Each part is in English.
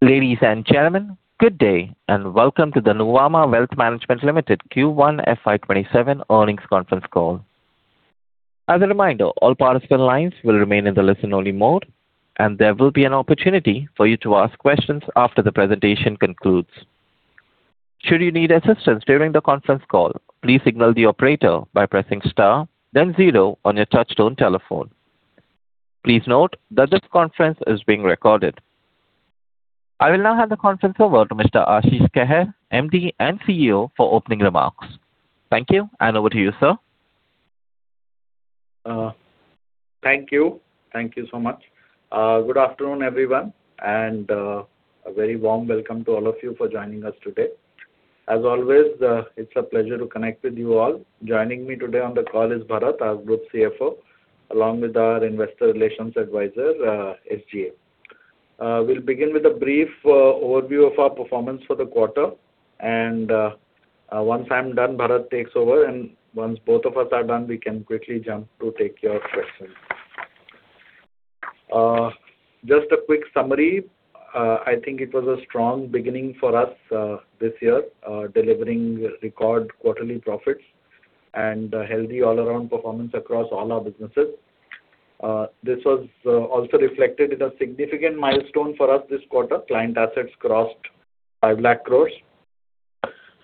Ladies and gentlemen, good day, and welcome to the Nuvama Wealth Management Limited Q1 FY 2027 Earnings Conference Call. As a reminder, all participant lines will remain in the listen only mode, and there will be an opportunity for you to ask questions after the presentation concludes. Should you need assistance during the conference call, please signal the operator by pressing star then zero on your touchtone telephone. Please note that this conference is being recorded. I will now hand the conference over to Mr. Ashish Kehair, Managing Director and CEO, for opening remarks. Thank you, and over to you, sir. Thank you. Thank you so much. Good afternoon, everyone and a very warm welcome to all of you for joining us today. As always, it's a pleasure to connect with you all. Joining me today on the call is Bharat, our Group Chief Financial Officer, along with our investor relations advisor, SGA. We'll begin with a brief overview of our performance for the quarter. Once I'm done, Bharat takes over. Once both of us are done, we can quickly jump to take your questions. Just a quick summary. I think it was a strong beginning for us this year delivering record quarterly profits and a healthy all-around performance across all our businesses. This was also reflected in a significant milestone for us this quarter. Client assets crossed 5 lakh crores.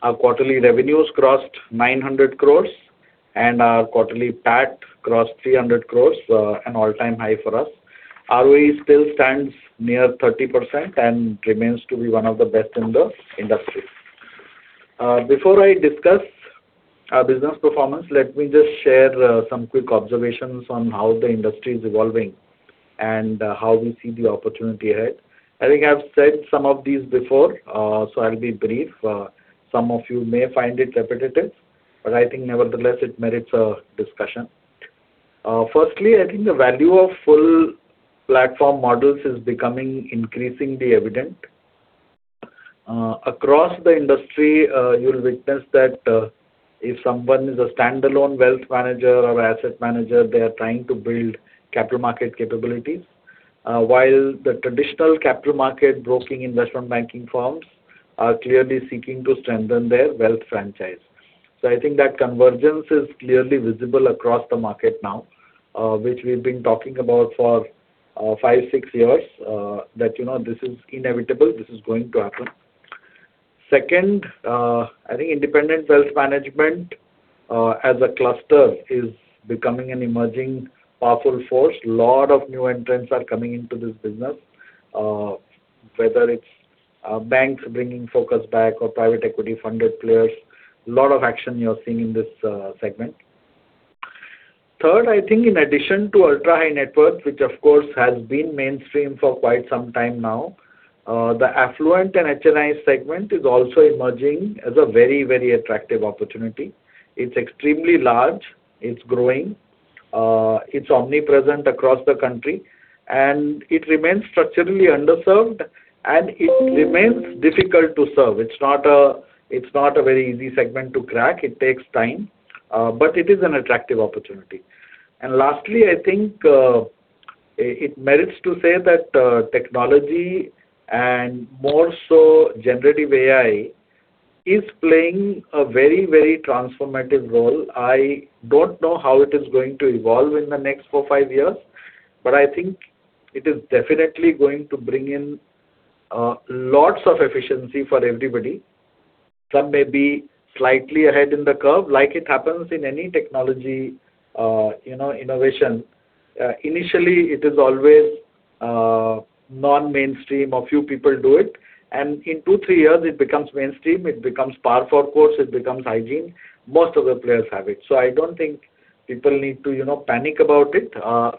Our quarterly revenues crossed 900 crores, and our quarterly PAT crossed 300 crores, an all-time high for us. ROE still stands near 30% and remains to be one of the best in the industry. Before I discuss our business performance, let me just share some quick observations on how the industry is evolving and how we see the opportunity ahead. I think I've said some of these before. So, I'll be brief. Some of you may find it repetitive, I think nevertheless, it merits a discussion. Firstly, I think the value of full platform models is becoming increasingly evident. Across the industry you'll witness that if someone is a standalone wealth manager or asset manager, they are trying to build capital market capabilities, while the traditional capital market broking investment banking firms are clearly seeking to strengthen their wealth franchise. I think that convergence is clearly visible across the market now, which we've been talking about for five, six years, that this is inevitable, this is going to happen. Second, I think independent wealth management, as a cluster is becoming an emerging powerful force. A lot of new entrants are coming into this business, whether it's banks bringing focus back or private equity-funded players. A lot of action you're seeing in this segment. Third, I think in addition to ultra-high-net-worth, which of course has been mainstream for quite some time now, the affluent and HNI segment is also emerging as a very attractive opportunity. It's extremely large. It's growing. It's omnipresent across the country, and it remains structurally underserved, and it remains difficult to serve. It's not a very easy segment to crack. It takes time. It is an attractive opportunity. Lastly, I think it merits to say that technology, and more so generative AI is playing a very transformative role. I don't know how it is going to evolve in the next four or five years, but I think it is definitely going to bring in lots of efficiency for everybody. Some may be slightly ahead in the curve, like it happens in any technology innovation. Initially, it is always non-mainstream a few people do it and in two, three years it becomes mainstream. It becomes par for course. It becomes hygiene. Most of the players have it. I don't think people need to panic about it.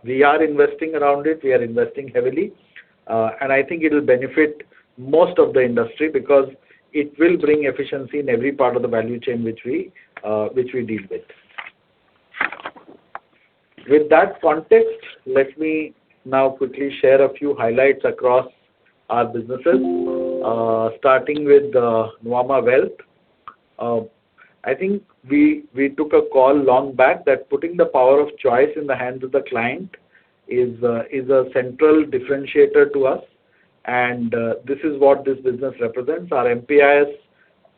We are investing around it. We are investing heavily. I think it'll benefit most of the industry because it will bring efficiency in every part of the value chain which we deal with. With that context, let me now quickly share a few highlights across our businesses, starting with Nuvama Wealth. I think we took a call long back that putting the power of choice in the hands of the client is a central differentiator to us, and this is what this business represents. Our MPIS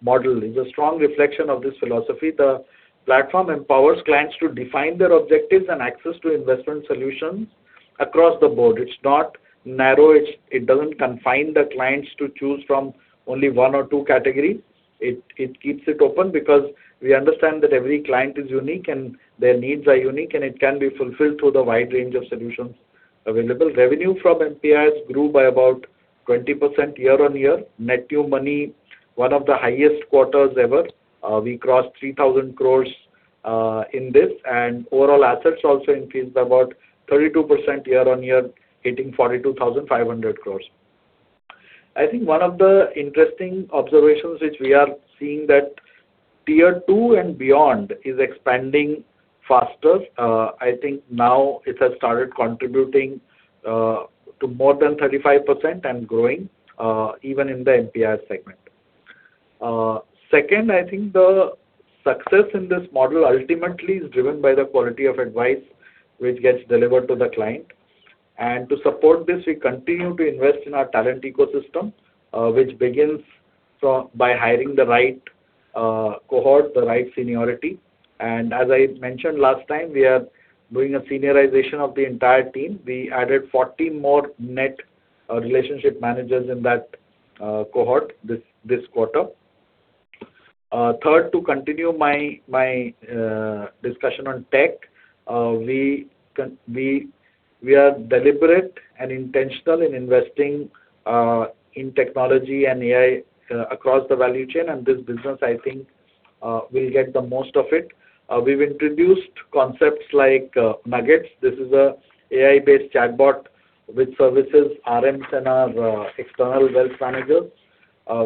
model is a strong reflection of this philosophy. The platform empowers clients to define their objectives and access to investment solutions across the board. It's not narrow. It doesn't confine the clients to choose from only one or two categories. It keeps it open because we understand that every client is unique and their needs are unique, and it can be fulfilled through the wide range of solutions available. Revenue from MPIS grew by about 20% year-on-year. Net new money, one of the highest quarters ever. We crossed 3,000 crores in this, overall assets also increased about 32% year-on-year, hitting 42,500 crores. I think one of the interesting observations which we are seeing that tier 2 and beyond is expanding faster. I think now it has started contributing to more than 35% and growing even in the MPIS segment. Second, I think the success in this model ultimately is driven by the quality of advice which gets delivered to the client. To support this, we continue to invest in our talent ecosystem, which begins by hiring the right cohort. The right seniority. As I mentioned last time, we are doing a seniorization of the entire team. We added 40 more net relationship managers in that cohort this quarter. Third, to continue my discussion on tech, we are deliberate and intentional in investing in technology and AI across the value chain and this business, I think, will get the most of it. We've introduced concepts like Nuggets. This is an AI-based chatbot which services RMs and our external wealth managers.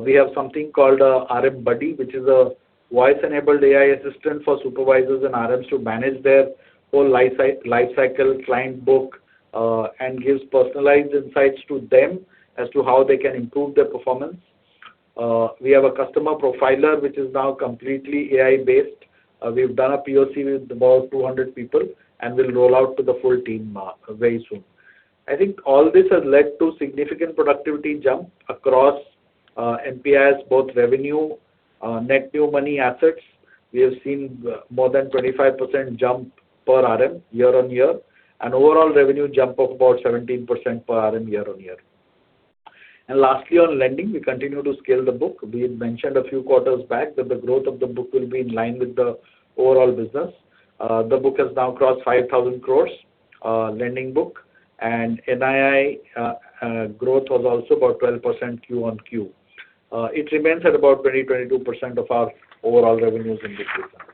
We have something called RM Buddy, which is a voice-enabled AI assistant for supervisors and RMs to manage their whole life cycle client book, and gives personalized insights to them as to how they can improve their performance. We have a customer profiler, which is now completely AI-based. We've done a POC with about 200 people, and we'll roll out to the full team very soon. I think all this has led to significant productivity jump across NPI's both revenue, net new money assets. We have seen more than 25% jump per RM year-on-year, overall revenue jump of about 17% per RM year-on-year. Lastly, on lending, we continue to scale the book. We had mentioned a few quarters back that the growth of the book will be in line with the overall business. The book has now crossed 5,000 crore lending book, NII growth was also about 12% Q1, Q. It remains at about 20%-22% of our overall revenues in this business.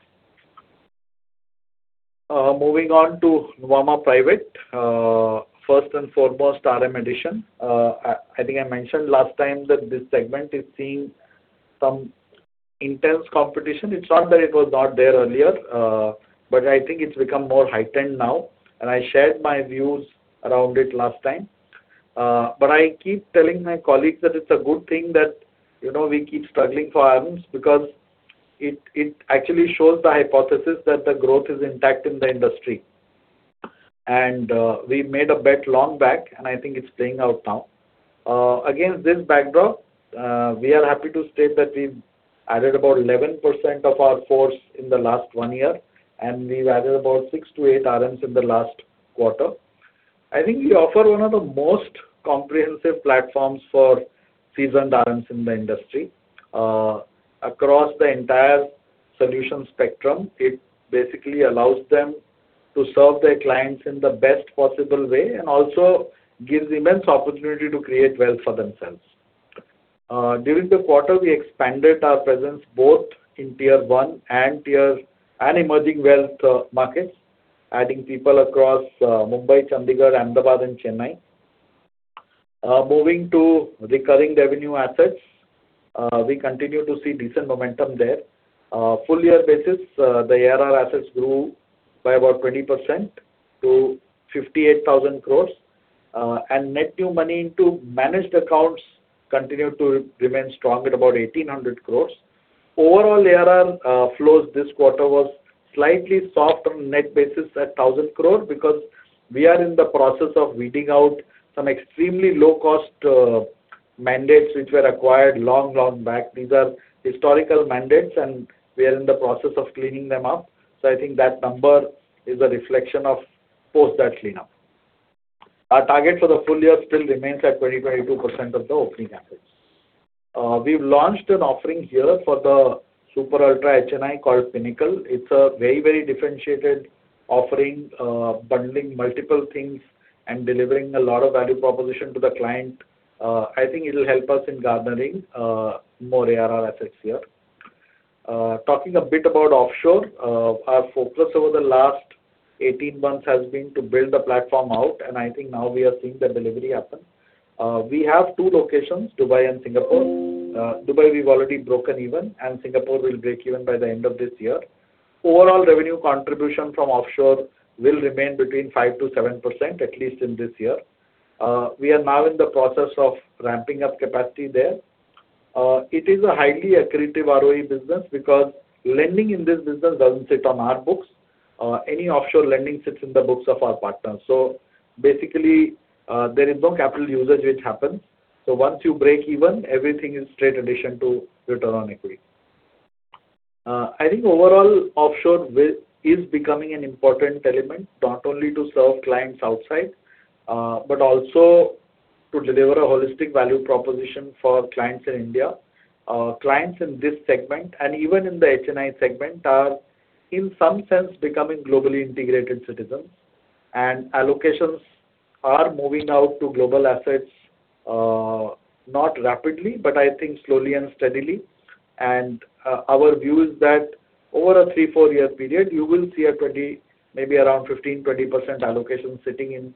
Moving on to Nuvama Private. First and foremost RM addition. I think I mentioned last time that this segment is seeing some intense competition. It's not that it was not there earlier, but I think it's become more heightened now and I shared my views around it last time. I keep telling my colleagues that it's a good thing that we keep struggling for RMs because it actually shows the hypothesis that the growth is intact in the industry. We made a bet long back, and I think it's paying out now. Against this backdrop, we are happy to state that we've added about 11% of our force in the last one year. And, we've added about six to eight RMs in the last quarter. I think we offer one of the most comprehensive platforms for seasoned RMs in the industry. Across the entire solution spectrum, it basically allows them to serve their clients in the best possible way and also gives immense opportunity to create wealth for themselves. During the quarter, we expanded our presence both in tier 1 and emerging wealth markets, adding people across Mumbai, Chandigarh, Ahmedabad and Chennai. Moving to recurring revenue assets. We continue to see decent momentum there. Full year basis, the ARR assets grew by about 20% to 58,000 crore and net new money into managed accounts continued to remain strong at about 1,800 crore. Overall ARR flows this quarter was slightly soft on net basis at 1,000 crore because we are in the process of weeding out some extremely low-cost mandates which were acquired long back. These are historical mandates and we are in the process of cleaning them up. I think that number is a reflection of post that cleanup. Our target for the full year still remains at 20%-22% of the opening assets. We've launched an offering here for the super ultra HNI called Pinnacle. It's a very differentiated offering, bundling multiple things and delivering a lot of value proposition to the client. I think it'll help us in garnering more ARR assets here. Talking a bit about offshore. Our focus over the last 18 months has been to build the platform out, I think now we are seeing the delivery happen. We have two locations, Dubai and Singapore. Dubai we've already broken even, Singapore will break even by the end of this year. Overall revenue contribution from offshore will remain between 5%-7%, at least in this year. We are now in the process of ramping up capacity there. It is a highly accretive ROE business because lending in this business doesn't sit on our books. Any offshore lending sits in the books of our partners. Basically, there is no capital usage which happens. Once you break even, everything is straight addition to return on equity. I think overall offshore is becoming an important element, not only to serve clients outside, but also to deliver a holistic value proposition for clients in India. Clients in this segment and even in the HNI segment are in some sense becoming globally integrated citizens and allocations are moving out to global assets not rapidly, but I think slowly and steadily. Our view is that over a three, four year period, you will see maybe around 15%-20% allocation sitting in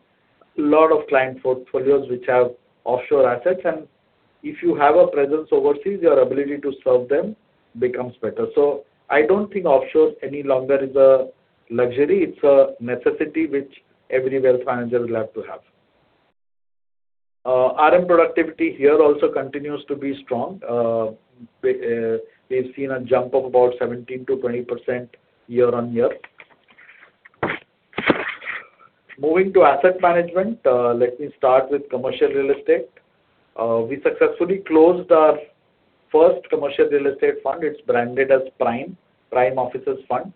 lot of client portfolios which have offshore assets and if you have a presence overseas, your ability to serve them becomes better. I don't think offshore any longer is a luxury. It's a necessity which every wealth manager will have to have. RM productivity here also continues to be strong. We've seen a jump of about 17%-20% year-on-year. Moving to asset management, let me start with commercial real estate. We successfully closed our first commercial real estate fund. It's branded as PRIME fund.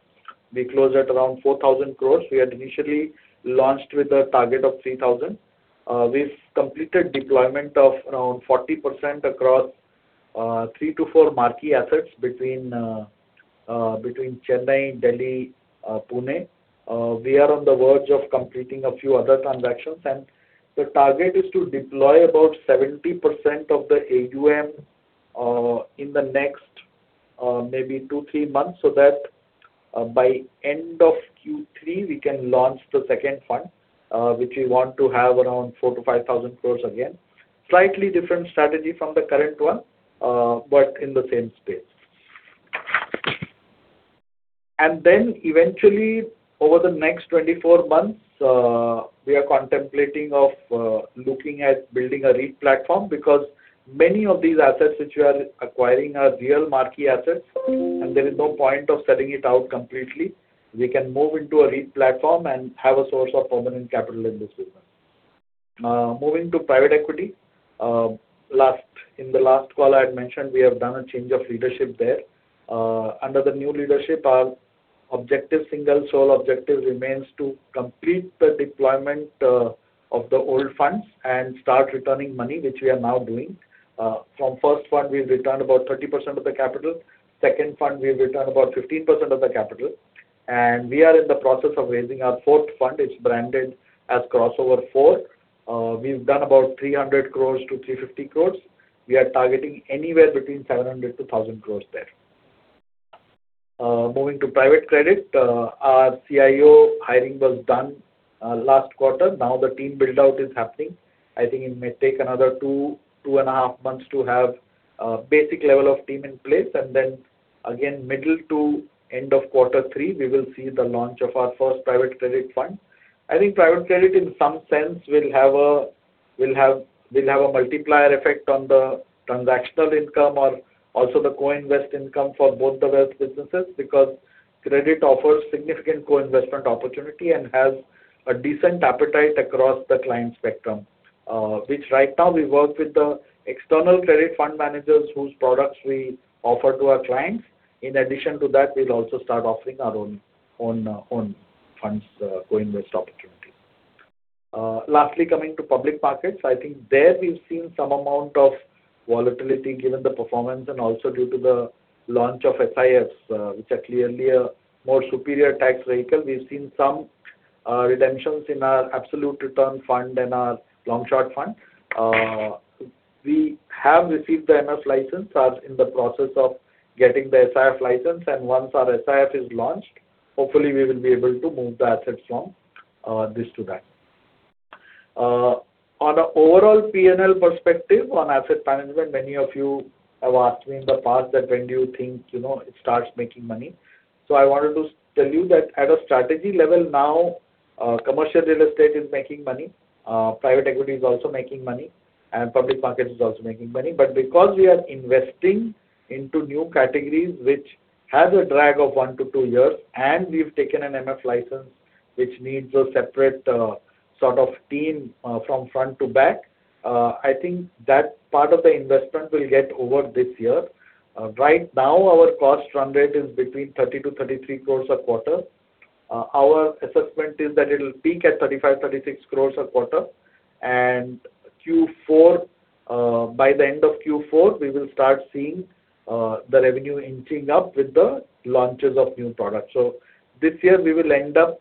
We closed at around 4,000 crore. We had initially launched with a target of 3,000. We've completed deployment of around 40% across three to four marquee assets between Chennai, Delhi, Pune. We are on the verge of completing a few other transactions, the target is to deploy about 70% of the AUM in the next maybe two, three months, so that by end of Q3, we can launch the second fund, which we want to have around 4,000-5,000 crore again. Slightly different strategy from the current one, but in the same space. Eventually over the next 24 months, we are contemplating of looking at building a REIT platform because many of these assets which we are acquiring are real marquee assets and there is no point of selling it out completely. We can move into a REIT platform and have a source of permanent capital in this business. Moving to private equity. In the last call, I had mentioned we have done a change of leadership there. Under the new leadership, our single sole objective remains to complete the deployment of the old funds and start returning money, which we are now doing. From first fund, we've returned about 30% of the capital. Second fund, we've returned about 15% of the capital. We are in the process of raising our fourth fund. It's branded as Crossover 4. We've done about 300 crore to 350 crore. We are targeting anywhere between 700 crore to 1,000 crore there. Moving to private credit. Our CIO hiring was done last quarter. Now the team build out is happening. I think it may take another two and a half months to have a basic level of team in place. Again, middle to end of Q3, we will see the launch of our first private credit fund. I think private credit in some sense will have a multiplier effect on the transactional income or also the co-invest income for both the wealth businesses because credit offers significant co-investment opportunity and has a decent appetite across the client spectrum. Which right now we work with the external credit fund managers whose products we offer to our clients. In addition to that, we'll also start offering our own funds co-invest opportunity. Lastly, coming to public markets. I think there we've seen some amount of volatility given the performance and also due to the launch of SIFs which are clearly a more superior tax vehicle. We've seen some redemptions in our absolute return fund and our long-short fund. We have received the MF license. Are in the process of getting the SIF license and once our SIF is launched, hopefully we will be able to move the assets from this to that. On a overall P&L perspective on asset management, many of you have asked me in the past that when do you think it starts making money? I wanted to tell you that at a strategy level now, commercial real estate is making money. Private equity is also making money, and public markets is also making money. Because we are investing into new categories, which has a drag of one to two years, and we've taken an MF license, which needs a separate sort of team from front to back, I think that part of the investment will get over this year. Right now our cost run rate is between 30-33 crores a quarter. Our assessment is that it'll peak at 35, 36 crores a quarter. By the end of Q4, we will start seeing the revenue inching up with the launches of new products. This year we will end up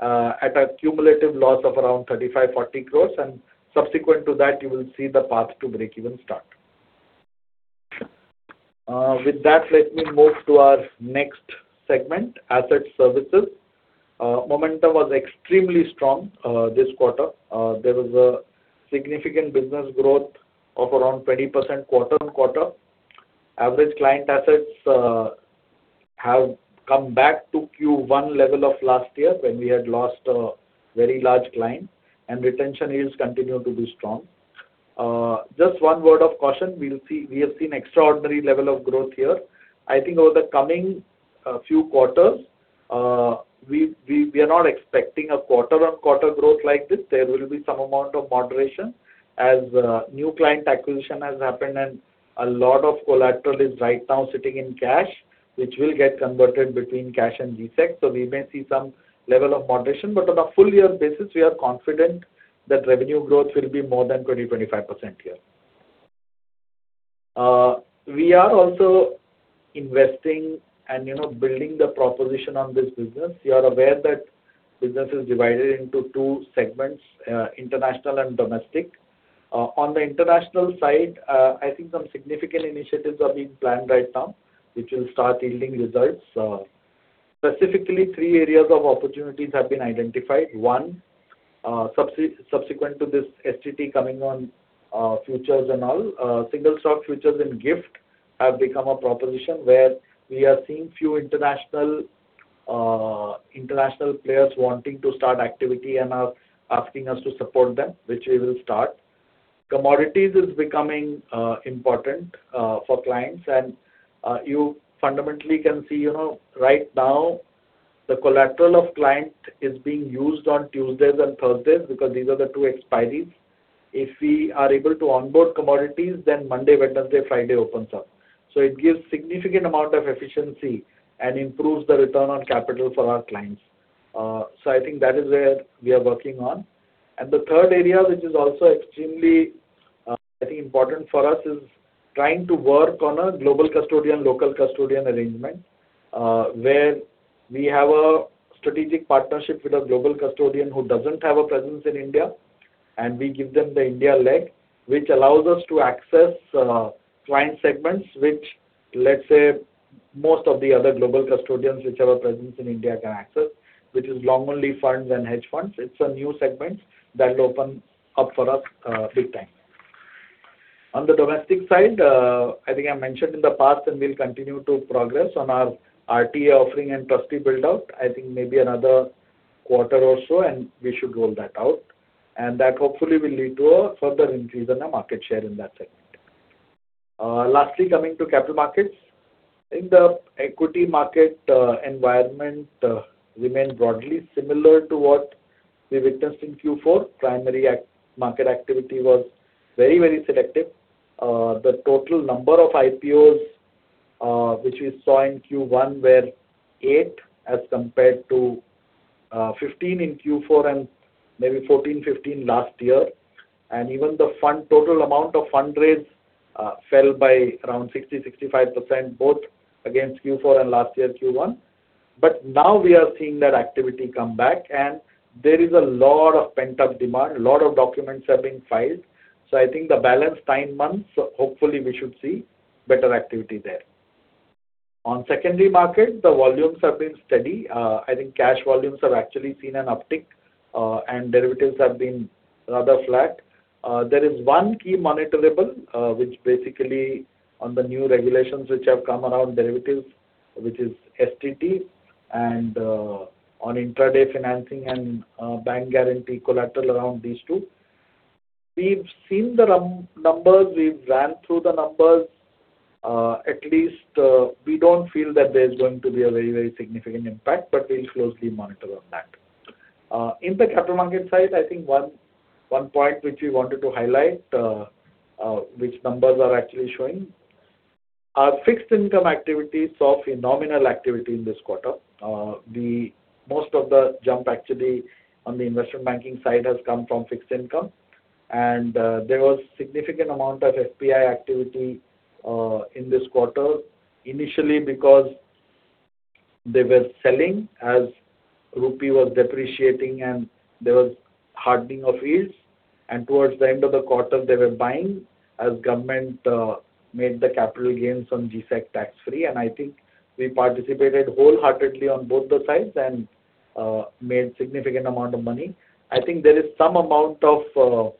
at a cumulative loss of around 35, 40 crores and subsequent to that, you will see the path to breakeven start. With that, let me move to our next segment asset services. Momentum was extremely strong this quarter. There was a significant business growth of around 20% quarter-on-quarter. Average client assets have come back to Q1 level of last year when we had lost a very large client and retention rates continue to be strong. Just one word of caution. We have seen extraordinary level of growth here. I think over the coming few quarters, we are not expecting a quarter-on-quarter growth like this. There will be some amount of moderation as new client acquisition has happened and a lot of collateral is right now sitting in cash, which will get converted between cash and GSEC. We may see some level of moderation but on a full year basis, we are confident that revenue growth will be more than 20%, 25% here. We are also investing and building the proposition on this business. You are aware that business is divided into two segments, international and domestic. On the international side, I think some significant initiatives are being planned right now, which will start yielding results. Specifically, three areas of opportunities have been identified. One, subsequent to this STT coming on futures and all, single stock futures in GIFT have become a proposition where we are seeing few international International players wanting to start activity and are asking us to support them, which we will start. Commodities is becoming important for clients and you fundamentally can see right now the collateral of client is being used on Tuesdays and Thursdays because these are the two expiries. If we are able to onboard commodities, then Monday, Wednesday, Friday opens up. It gives significant amount of efficiency and improves the return on capital for our clients. I think that is where we are working on. The third area, which is also extremely important for us is trying to work on a global custodian, local custodian arrangement. We have a strategic partnership with a global custodian who doesn't have a presence in India, and we give them the India leg, which allows us to access client segments, which let's say most of the other global custodians which have a presence in India can access, which is long only funds and hedge funds. It's a new segment that will open up for us big time. On the domestic side, I think I mentioned in the past. We'll continue to progress on our RTA offering and trustee build-out. I think maybe another quarter or so. We should roll that out, and that hopefully will lead to a further increase in our market share in that segment. Lastly, coming to capital markets. I think the equity market environment remained broadly similar to what we witnessed in Q4. Primary market activity was very selective. The total number of IPOs which we saw in Q1 were eight as compared to 15 in Q4 and maybe 14, 15 last year. Even the total amount of fund raise fell by around 60%, 65% both against Q4 and last year Q1. Now we are seeing that activity come back and there is a lot of pent-up demand. A lot of documents have been filed. I think the balance nine months, hopefully we should see better activity there. On secondary market, the volumes have been steady. I think cash volumes have actually seen an uptick and derivatives have been rather flat. There is one key monitorable which basically on the new regulations which have come around derivatives, which is STT and on intra-day financing and bank guarantee collateral around these two. We've seen the numbers, we've run through the numbers. At least we don't feel that there's going to be a very significant impact, but we'll closely monitor on that. In the capital market side, I think one point which we wanted to highlight which numbers are actually showing. Our fixed income activity saw phenomenal activity in this quarter. Most of the jump actually on the investment banking side has come from fixed income, and there was significant amount of FPI activity in this quarter. Initially because they were selling as rupee was depreciating and there was hardening of yields. Towards the end of the quarter, they were buying as government made the capital gains on G-Sec tax-free. I think we participated wholeheartedly on both the sides and made significant amount of money. I think there is some amount of,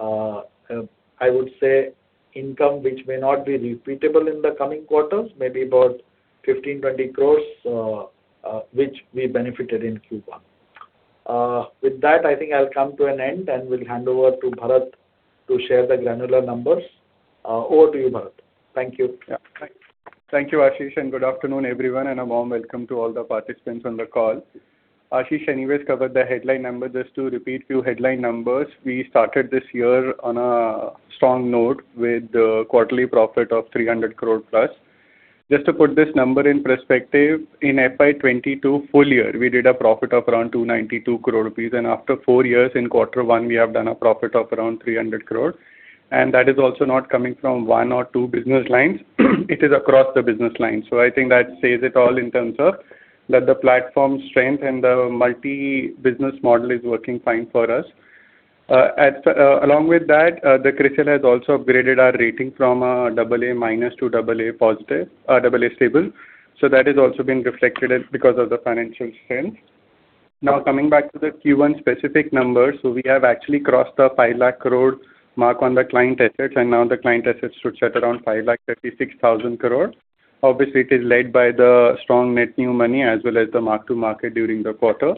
I would say, income which may not be repeatable in the coming quarters. Maybe about 15 crore, 20 crore which we benefited in Q1. With that, I think I'll come to an end. I will hand over to Bharat to share the granular numbers. Over to you, Bharat. Thank you. Thank you, Ashish, and good afternoon, everyone, and a warm welcome to all the participants on the call. Ashish anyways covered the headline number. Just to repeat few headline numbers. We started this year on a strong note with a quarterly profit of 300 crore plus. Just to put this number in perspective, in FY 2022 full year, we did a profit of around 292 crore rupees. After four years, in quarter one we have done a profit of around 300 crore, and that is also not coming from one or two business lines, it is across the business line. I think that says it all in terms of that the platform strength and the multi-business model is working fine for us. Along with that, the CRISIL has also upgraded our rating from a double A minus to double A stable. That has also been reflected because of the financial strength. Coming back to the Q1 specific numbers. We have actually crossed the 5 lakh crore mark on the client assets, and now the client assets should sit around 5,36,000 crore. Obviously, it is led by the strong net new money as well as the mark to market during the quarter.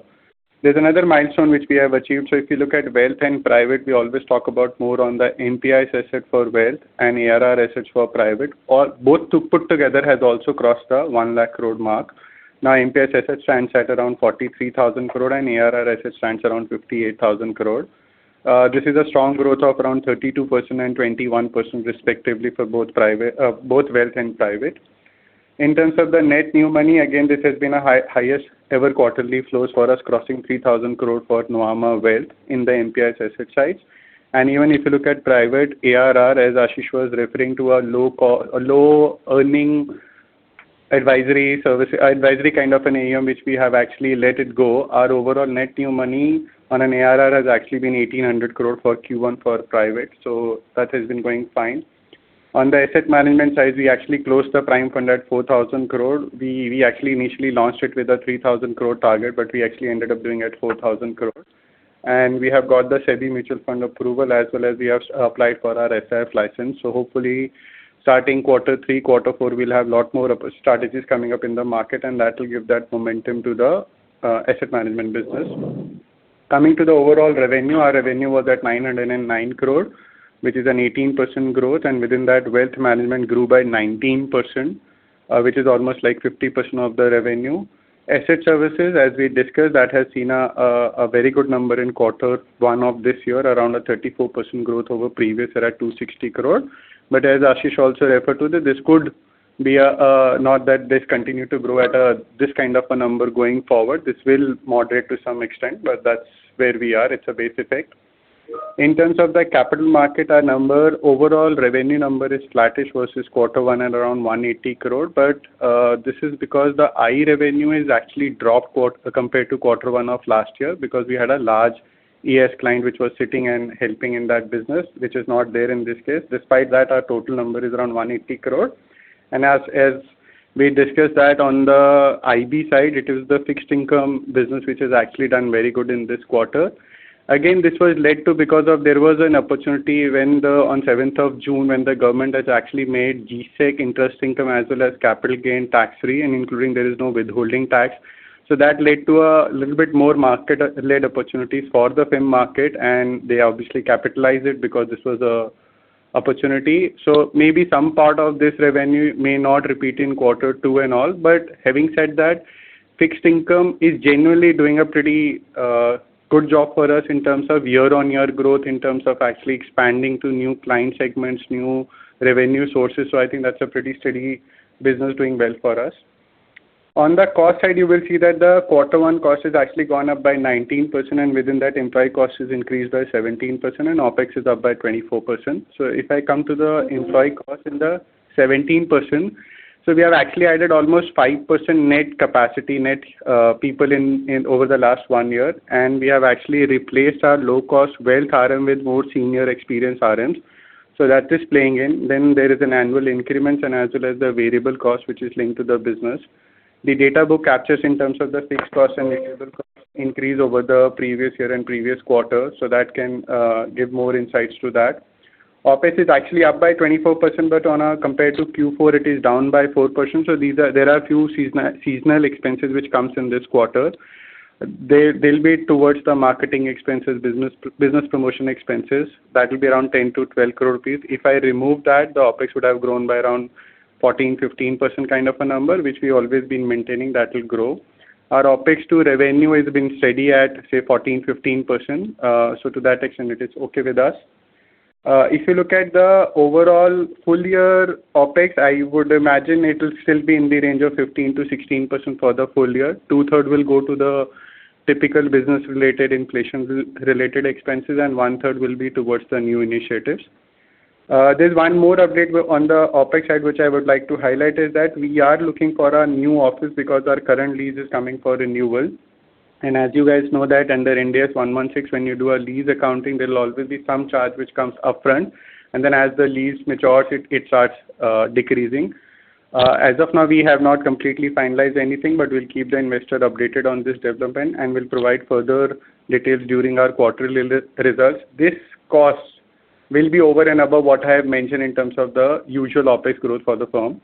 There is another milestone which we have achieved. If you look at Nuvama Wealth and Nuvama Private, we always talk about more on the NPI assets for Nuvama Wealth and ARR assets for Nuvama Private, or both put together has also crossed the 1 lakh crore mark. NPI assets stands at around 43,000 crore and ARR assets stands around 58,000 crore. This is a strong growth of around 32% and 21% respectively for both Nuvama Wealth and Nuvama Private. In terms of the net new money, again, this has been highest ever quarterly flows for us. Crossing 3,000 crore for Nuvama Wealth in the NPI asset sides. Even if you look at Nuvama Private ARR, as Ashish was referring to a low earning advisory kind of an AUM, which we have actually let it go. Our overall net new money on an ARR has actually been 1,800 crore for Q1 for Nuvama Private. That has been going fine. On the asset management side, we actually closed the PRIME fund at 4,000 crore. We actually initially launched it with a 3,000 crore target, but we actually ended up doing at 4,000 crore. We have got the SEBI mutual fund approval, as well as we have applied for our SIF license. Hopefully starting quarter three, quarter four, we will have a lot more strategies coming up in the market, and that will give that momentum to the asset management business. Coming to the overall revenue, our revenue was at 909 crore, which is an 18% growth. Within that, Nuvama Wealth grew by 19%, which is almost 50% of the revenue. Asset services, as we discussed, that has seen a very good number in quarter one of this year, around a 34% growth over the previous year at 260 crore. As Ashish also referred to, not that this will continue to grow at this kind of a number going forward. This will moderate to some extent, but that is where we are. It is a base effect. In terms of the capital market, our overall revenue number is flattish versus quarter one at around 180 crore. This is because the IE revenue has actually dropped compared to quarter one of last year because we had a large ES client which was sitting and helping in that business, which is not there in this case. Despite that, our total number is around 180 crore. As we discussed that on the IB side, it is the fixed income business which has actually done very good in this quarter. Again, this was led because there was an opportunity on the 7th of June when the government has actually made G-Sec interest income as well as capital gain tax-free and including there is no withholding tax. That led to a little bit more market-led opportunities for the firm market, and they obviously capitalized it because this was an opportunity. Maybe some part of this revenue may not repeat in quarter two and all. Having said that, fixed income is generally doing a pretty good job for us in terms of year-on-year growth, in terms of actually expanding to new client segments, new revenue sources. I think that's a pretty steady business doing well for us. On the cost side, you will see that the quarter one cost has actually gone up by 19%, and within that employee cost has increased by 17%, and OpEx is up by 24%. If I come to the employee cost in the 17%. We have actually added almost 5% net capacity, net people in over the last one year, and we have actually replaced our low-cost wealth RM with more senior experienced RMs. That is playing in. There is an annual increment and as well as the variable cost, which is linked to the business. The data book captures in terms of the fixed cost and variable cost increase over the previous year and previous quarter. That can give more insights to that. OpEx is actually up by 24%, but when compared to Q4, it is down by 4%. There are a few seasonal expenses which come in this quarter. They will be towards the marketing expenses, business promotion expenses. That will be around 10 crore rupees. If I remove that, the OpEx would have grown by around 14%-15% kind of a number, which we've always been maintaining that will grow. Our OpEx to revenue has been steady at, say, 14%-15%. To that extent, it is okay with us. If you look at the overall full-year OpEx, I would imagine it will still be in the range of 15%-16% for the full year. Two-thirds will go to the typical business-related, inflation-related expenses, and one-third will be towards the new initiatives. There is one more update on the OpEx side, which I would like to highlight is that, we are looking for a new office because our current lease is coming for renewal. As you guys know that under India's 116, when you do a lease accounting, there will always be some charge which comes up front, and then as the lease matures, it starts decreasing. As of now, we have not completely finalized anything, but we will keep the investor updated on this development and will provide further details during our quarterly results. This cost will be over and above what I have mentioned in terms of the usual OpEx growth for the firm.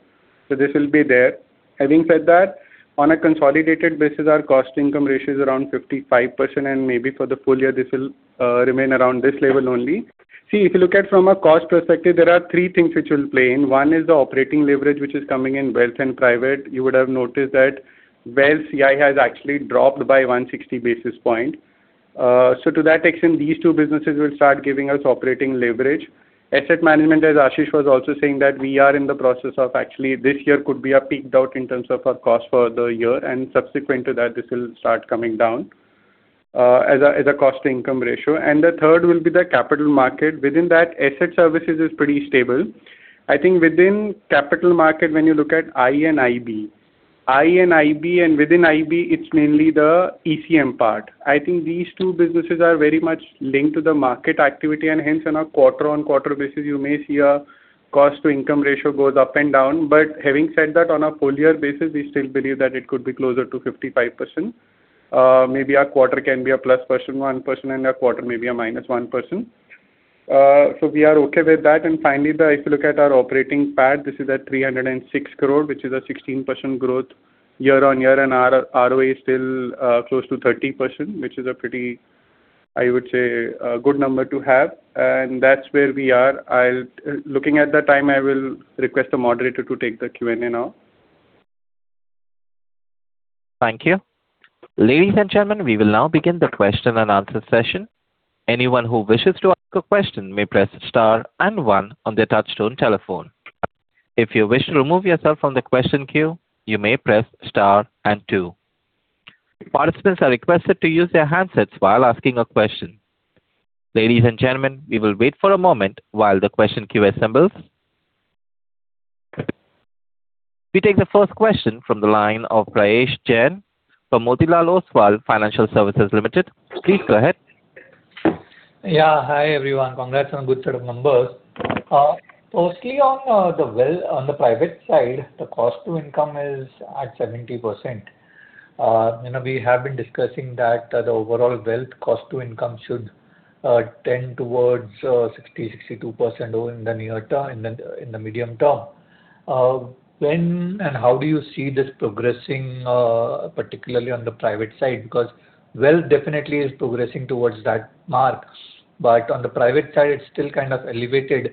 This will be there. Having said that, on a consolidated basis, our cost-to-income ratio is around 55%, maybe for the full year, this will remain around this level only. If you look at it from a cost perspective, there are three things which will play in. One is the operating leverage, which is coming in Nuvama Wealth and Nuvama Private. You would have noticed that Nuvama Wealth CI has actually dropped by 160 basis points. To that extent, these two businesses will start giving us operating leverage. Asset management, as Ashish was also saying, we are in the process of actually this year could be a peaked out in terms of our cost for the year, and subsequent to that, this will start coming down as a cost-to-income ratio. The third will be the capital market. Within that, asset services is pretty stable. I think within capital market, when you look at IE and IB. IE and IB, and within IB, it's mainly the ECM part. I think these two businesses are very much linked to the market activity, and hence on a quarter-on-quarter basis, you may see a cost-to-income ratio goes up and down. Having said that, on a full year basis, we still believe that it could be closer to 55%. Maybe a quarter can be a +1%, a quarter maybe a -1%. We are okay with that. Finally, if you look at our operating PAT, this is at 306 crore, which is a 16% growth year-on-year, our ROE is still close to 30%, which is a pretty, I would say, good number to have. That's where we are. Looking at the time, I will request the moderator to take the Q&A now. Thank you. Ladies and gentlemen, we will now begin the question and answer session. Anyone who wishes to ask a question may press star and one on their touchtone telephone. If you wish to remove yourself from the question queue, you may press star and two. Participants are requested to use their handsets while asking a question. Ladies and gentlemen, we will wait for a moment while the question queue assembles. We take the first question from the line of Prayesh Jain from Motilal Oswal Financial Services Limited. Please go ahead. Yeah. Hi, everyone. Congrats on good set of numbers. Mostly on the private side, the cost to income is at 70%. We have been discussing that the overall wealth cost to income should tend towards 60%-62% in the near term, in the medium term. When how do you see this progressing, particularly on the private side? Wealth definitely is progressing towards that mark, on the private side it's still kind of elevated.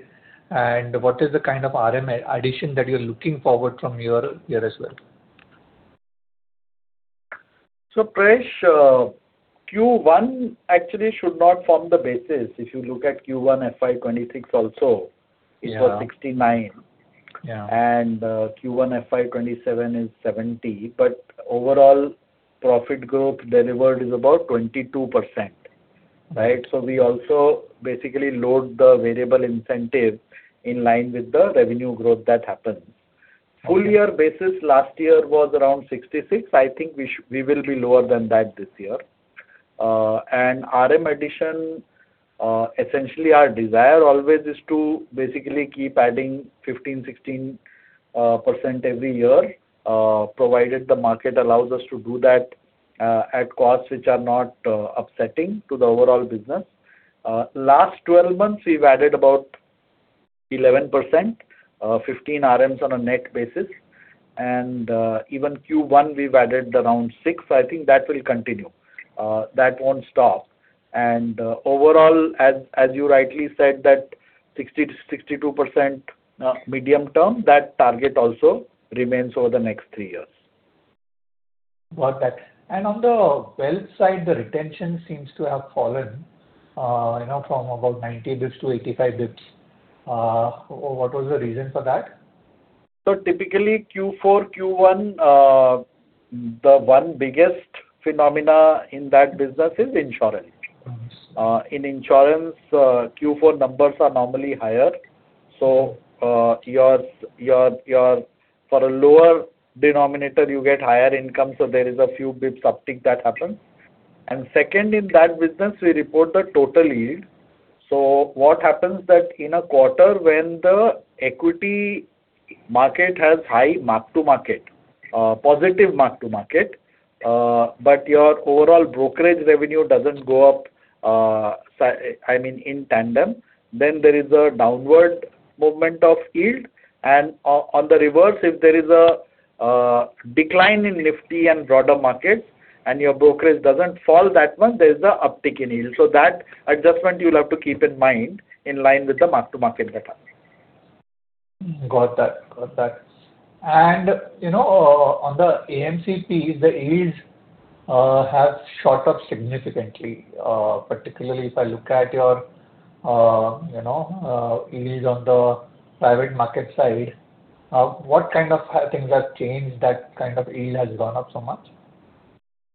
What is the kind of RM addition that you're looking forward from here as well? Prayesh, Q1 actually should not form the basis. If you look at Q1 FY 2026 also, it was 69. Yeah. Q1 FY 2027 is 70. Overall profit growth delivered is about 22%. We also basically load the variable incentive in line with the revenue growth that happens. Full year basis last year was around 66. I think we will be lower than that this year. RM addition, essentially our desire always is to basically keep adding 15%-16% every year, provided the market allows us to do that at costs which are not upsetting to the overall business. Last 12 months, we've added about 11%, 15 RMs on a net basis. Even Q1, we've added around six. I think that will continue. That won't stop. Overall, as you rightly said, that 60%-62% medium term, that target also remains over the next three years. Got that. On the wealth side, the retention seems to have fallen from about 90 basis points to 85 basis points. What was the reason for that? Typically Q4, Q1, the one biggest phenomena in that business is insurance. Of course. In insurance, Q4 numbers are normally higher. For a lower denominator, you get higher income. There is a few bps uptick that happens. Second, in that business, we report the total yield. What happens that in a quarter when the equity market has high mark-to-market, positive mark-to-market, but your overall brokerage revenue doesn't go up in tandem, then there is a downward movement of yield. On the reverse, if there is a decline in Nifty and broader markets and your brokerage doesn't fall that much, there's the uptick in yield. That adjustment you'll have to keep in mind in line with the mark-to-market data. Got that. On the AMC, the yields have shot up significantly. Particularly if I look at your yields on the private market side. What kind of things have changed that kind of yield has gone up so much?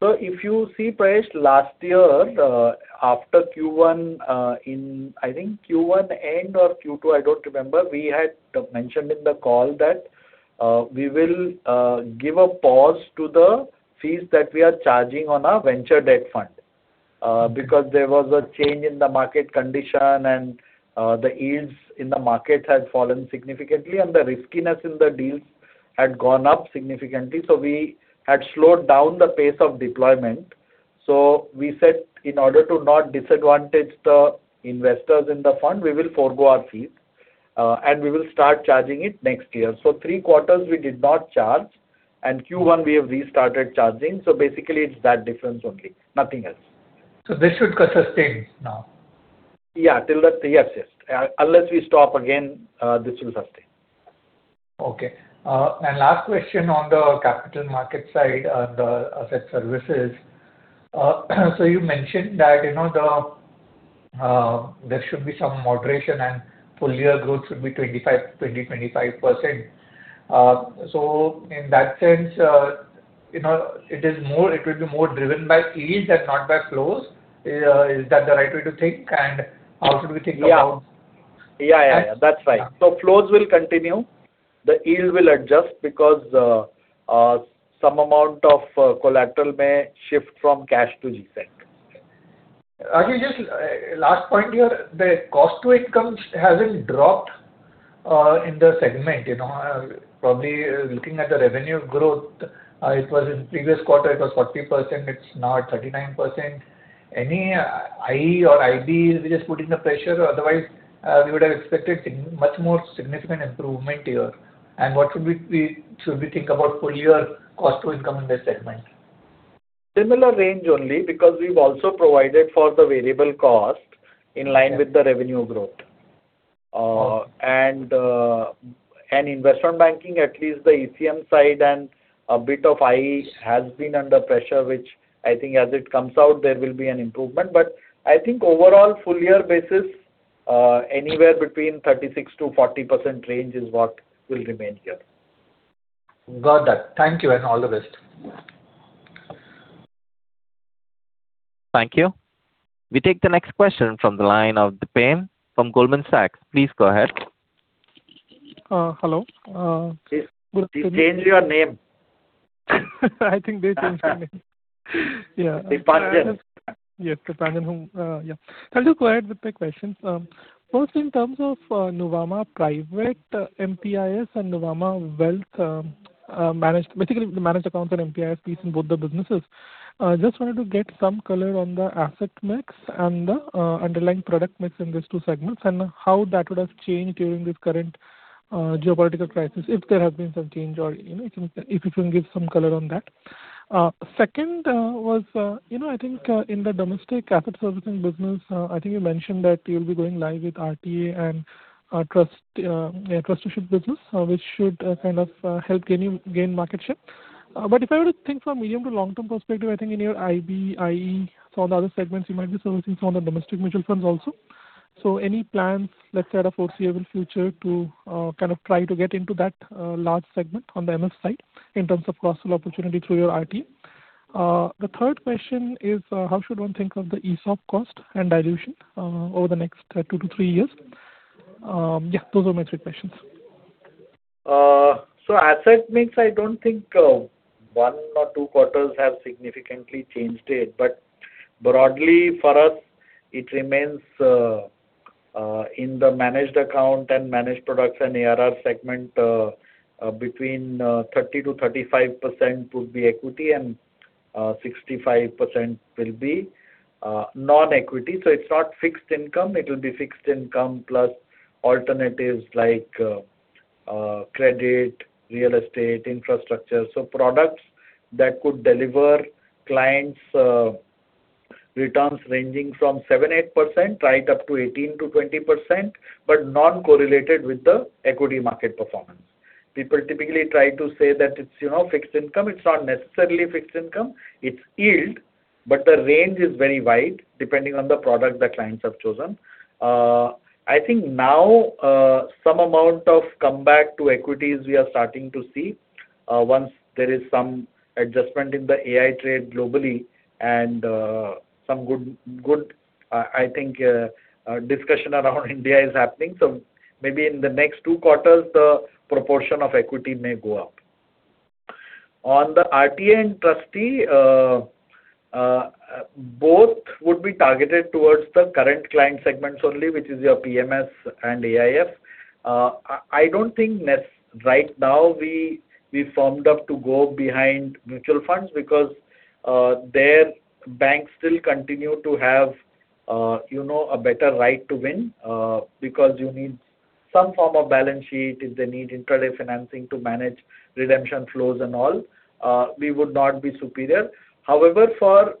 If you see, Prayesh, last year after Q1, I think Q1 end or Q2, I don't remember, we had mentioned in the call that we will give a pause to the fees that we are charging on our venture debt fund. There was a change in the market condition and the yields in the market had fallen significantly and the riskiness in the deals had gone up significantly. We had slowed down the pace of deployment. We said in order to not disadvantage the investors in the fund, we will forego our fees, and we will start charging it next year. three quarters we did not charge, and Q1 we have restarted charging. Basically it's that difference only, nothing else. This should sustain now? Yeah. Yes. Unless we stop again, this will sustain. Okay. Last question on the capital market side, on the asset services. You mentioned that there should be some moderation and full year growth should be 20%-25%. In that sense, it will be more driven by yields and not by flows. Is that the right way to think? How should we think about- Yeah. That's right. Flows will continue. The yield will adjust because some amount of collateral may shift from cash to G-Sec. Ashish, just last point here. The cost to income hasn't dropped in the segment. Probably looking at the revenue growth, in previous quarter it was 40%, it's now at 39%. Any IE or IB which is putting the pressure? Otherwise, we would have expected much more significant improvement here. What should we think about full year cost to income in this segment? Similar range only because we've also provided for the variable cost in line with the revenue growth. Investment banking, at least the ECM side and a bit of IE has been under pressure, which I think as it comes out, there will be an improvement. I think overall full year basis, anywhere between 36%-40% range is what will remain here. Got that. Thank you, and all the best. Thank you. We take the next question from the line of Deepanjan from Goldman Sachs. Please go ahead. Hello. They've changed your name. I think they changed the name. Yeah. Deepanjan. Yes. Deepanjan Hu. I'll go ahead with my questions. First, in terms of Nuvama Private MPIS and Nuvama Wealth Management, basically the managed accounts and MPIS piece in both the businesses. I just wanted to get some color on the asset mix and the underlying product mix in these two segments and how that would have changed during this current geopolitical crisis, if there has been some change or if you can give some color on that. Second was, I think in the domestic asset servicing business, I think you mentioned that you'll be going live with RTA and [trusteeship] business which should kind of help gain market share. But if I were to think from medium to long-term perspective, I think in your IB, IE, some of the other segments you might be servicing some of the domestic mutual funds also. Any plans, let's say, the foreseeable future to kind of try to get into that large segment on the MS side in terms of cross-sell opportunity through your RTA. The third question is how should one think of the ESOP cost and dilution over the next two to three years? Yeah, those are my three questions. Asset mix, I don't think one or two quarters have significantly changed it, but broadly for us it remains in the managed account and managed products and ARR segment between 30%-35% would be equity and 65% will be non-equity. It's not fixed income. It will be fixed income plus alternatives like credit, real estate, infrastructure. Products that could deliver clients returns ranging from 7%-8%, right up to 18%-20%, but non-correlated with the equity market performance. People typically try to say that it's fixed income. It's not necessarily fixed income, it's yield, but the range is very wide depending on the product the clients have chosen. I think now some amount of comeback to equities we are starting to see once there is some adjustment in the AI trade globally and some good I think discussion around India is happening. Maybe in the next two quarters the proportion of equity may go up. On the RTA and trustee, both would be targeted towards the current client segments only, which is your PMS and AIF. I don't think right now we firmed up to go behind mutual funds because their banks still continue to have a better right to win because you need some form of balance sheet if they need intraday financing to manage redemption flows and all. We would not be superior. However, for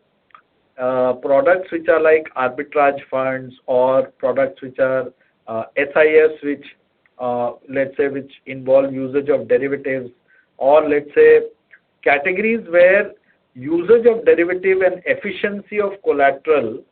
products which are like arbitrage funds or products which are SIF which involve usage of derivatives or let's say categories where usage of derivative and efficiency of collateral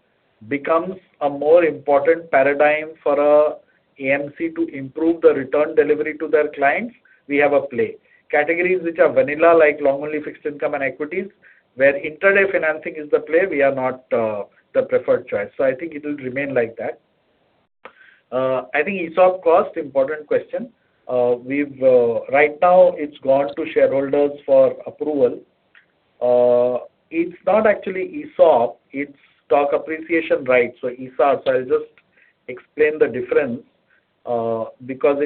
becomes a more important paradigm for an AMC to improve the return delivery to their clients, we have a play. Categories which are vanilla, like long-only fixed income and equities, where intraday financing is the play we are not the preferred choice. I think it will remain like that. I think ESOP cost important question. Right now it's gone to shareholders for approval. It's not actually ESOP. It's stock appreciation rights, so SAR. I'll just explain the difference because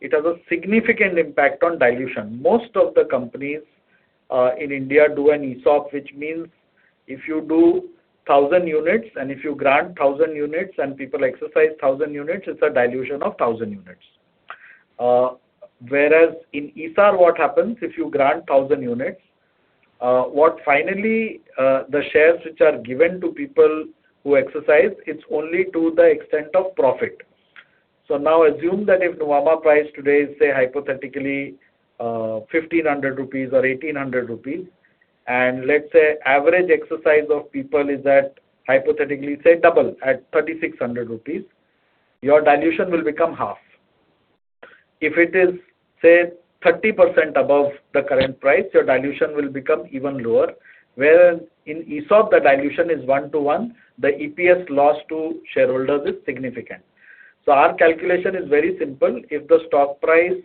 it has a significant impact on dilution. Most of the companies in India do an ESOP which means if you do 1,000 units and if you grant 1,000 units and people exercise 1,000 units it's a dilution of 1,000 units. Whereas in SAR what happens if you grant 1,000 units, what finally the shares which are given to people who exercise it's only to the extent of profit. Now assume that if Nuvama price today is say hypothetically 1,500 rupees or 1,800 rupees and let's say average exercise of people is at hypothetically say double at 3,600 rupees your dilution will become half. If it is, say 30% above the current price your dilution will become even lower whereas in ESOP the dilution is one to one the EPS loss to shareholders is significant. Our calculation is very simple. If the stock price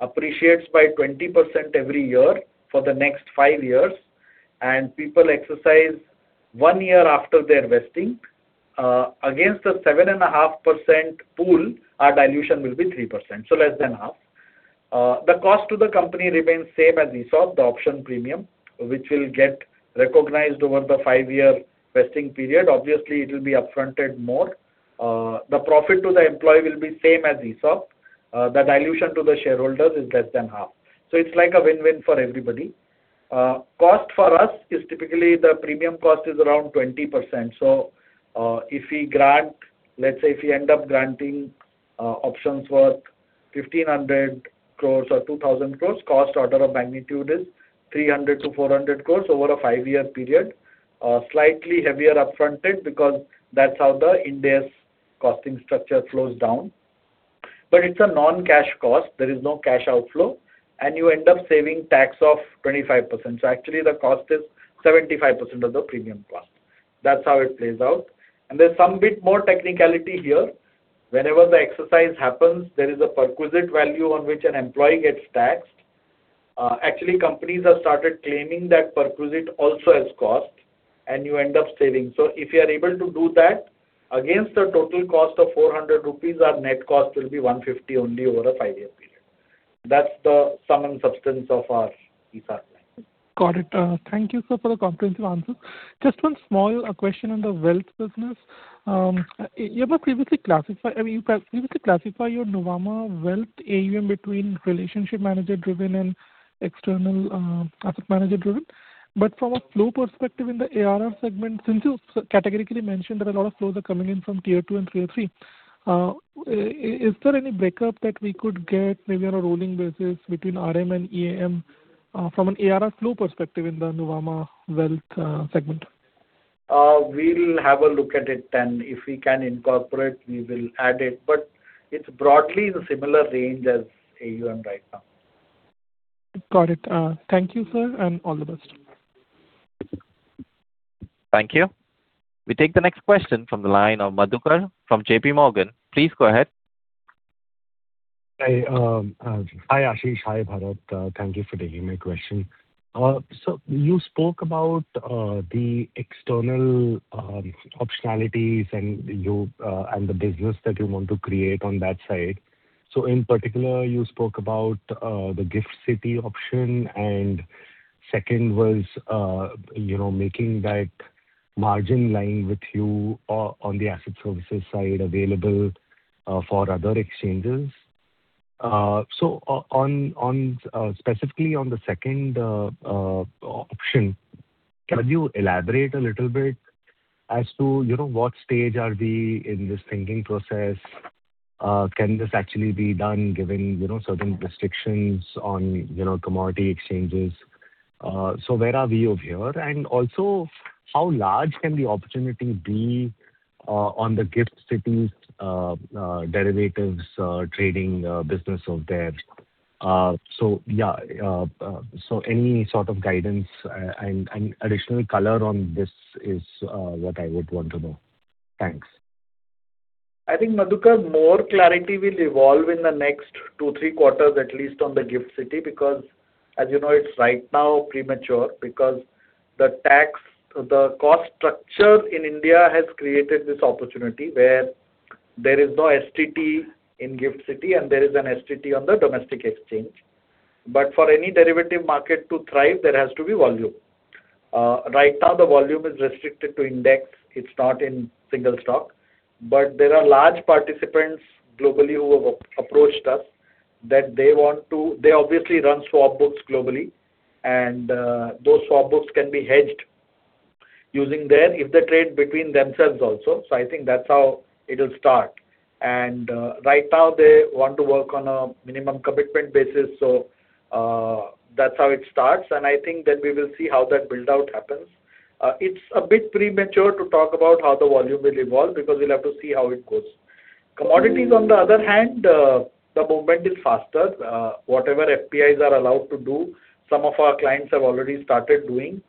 appreciates by 20% every year for the next five years and people exercise one year after their vesting against a 7.5% pool our dilution will be 3%, so less than half. The cost to the company remains same as ESOP the option premium which will get recognized over the five year vesting period obviously it will be up-fronted more. The profit to the employee will be same as ESOP. The dilution to the shareholders is less than half. It's like a win-win for everybody. Cost for us is typically the premium cost is around 20%. If we grant, let's say if we end up granting options worth 1,500 crore or 2,000 crore cost order of magnitude is 300 crore to 400 crore over a five year period. Slightly heavier up-fronted because that's how the India's costing structure flows down. It's a non-cash cost there is no cash outflow and you end up saving tax of 25%. Actually the cost is 75% of the premium cost. That's how it plays out. There's some bit more technicality here. Whenever the exercise happens, there is a perquisite value on which an employee gets taxed. Actually, companies have started claiming that perquisite also as cost, and you end up saving. If you're able to do that against the total cost of 400 rupees, our net cost will be 150 only over a five year period. That's the sum and substance of our ESOP plan. Got it. Thank you, sir, for the comprehensive answer. Just one small question on the wealth business. You have previously classified your Nuvama Wealth AUM between relationship manager-driven and external asset manager-driven. From a flow perspective in the ARR segment, since you categorically mentioned that a lot of flows are coming in from tier 2 and tier 3, is there any breakup that we could get maybe on a rolling basis between RM and EAM from an ARR flow perspective in the Nuvama Wealth segment? We'll have a look at it, and if we can incorporate, we will add it. It's broadly in a similar range as AUM right now. Got it. Thank you, sir, and all the best. Thank you. We take the next question from the line of Madhukar from JPMorgan. Please go ahead. Hi Ashish. Hi Bharat. Thank you for taking my question. You spoke about the external optionalities and the business that you want to create on that side. In particular, you spoke about the GIFT City option and second was making that margin line with you on the asset services side available for other exchanges. Specifically on the second option, can you elaborate a little bit as to what stage are we in this thinking process? Can this actually be done given certain restrictions on commodity exchanges? Where are we over here? And also how large can the opportunity be on the GIFT City's derivatives trading business over there? Any sort of guidance and additional color on this is what I would want to know. Thanks. I think, Madhukar, more clarity will evolve in the next two, three quarters, at least on the GIFT City, because as you know, it's right now premature because the cost structure in India has created this opportunity where there is no STT in GIFT City and there is an STT on the domestic exchange. For any derivative market to thrive, there has to be volume. Right now the volume is restricted to index. It's not in single stock. There are large participants globally who have approached us that they obviously run swap books globally, and those swap books can be hedged using If they trade between themselves also. I think that's how it'll start. Right now they want to work on a minimum commitment basis. That's how it starts, and I think then we will see how that build-out happens. It's a bit premature to talk about how the volume will evolve because we'll have to see how it goes. Commodities, on the other hand, the movement is faster. Whatever FPIs are allowed to do, some of our clients have already started doing.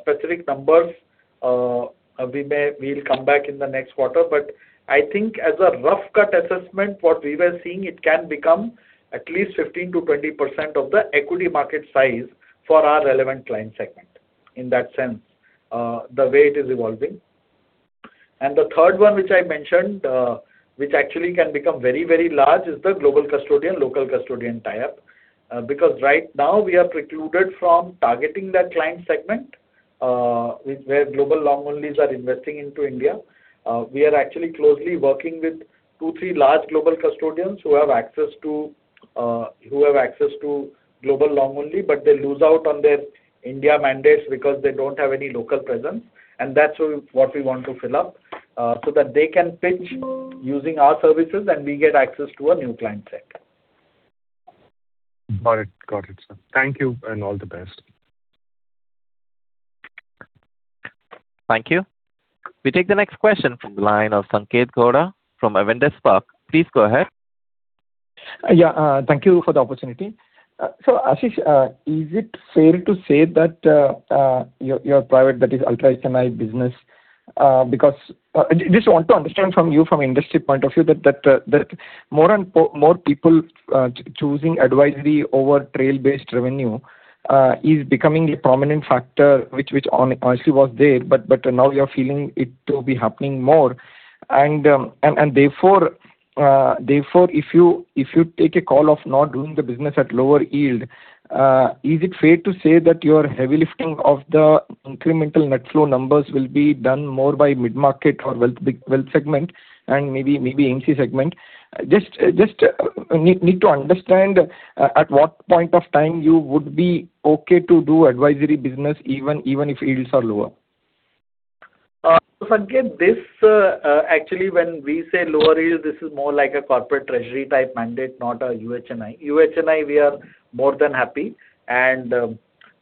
Specific numbers we'll come back in the next quarter, but I think as a rough cut assessment, what we were seeing, it can become at least 15%-20% of the equity market size for our relevant client segment, in that sense, the way it is evolving. The third one which I mentioned, which actually can become very large is the global custodian-local custodian tie-up. Right now we are precluded from targeting that client segment where global long onlys are investing into India. We are actually closely working with two, three large global custodians who have access to global long only, they lose out on their India mandates because they don't have any local presence. That's what we want to fill up so that they can pitch using our services and we get access to a new client segment. Got it. Got it, sir. Thank you and all the best. Thank you. We take the next question from the line of Sanketh Godha from Avendus Spark. Please go ahead. Yeah. Thank you for the opportunity. Ashish, is it fair to say that your private that is ultra HNI business. I just want to understand from you from industry point of view that more people choosing advisory over trail-based revenue is becoming a prominent factor, which honestly was there, but now you're feeling it to be happening more, and therefore if you take a call of not doing the business at lower yield is it fair to say that your heavy lifting of the incremental net flow numbers will be done more by mid-market or wealth segment and maybe NC segment? Just need to understand at what point of time you would be okay to do advisory business even if yields are lower. Sanketh, actually when we say lower yield, this is more like a corporate treasury type mandate, not a UHNI. UHNI, we are more than happy and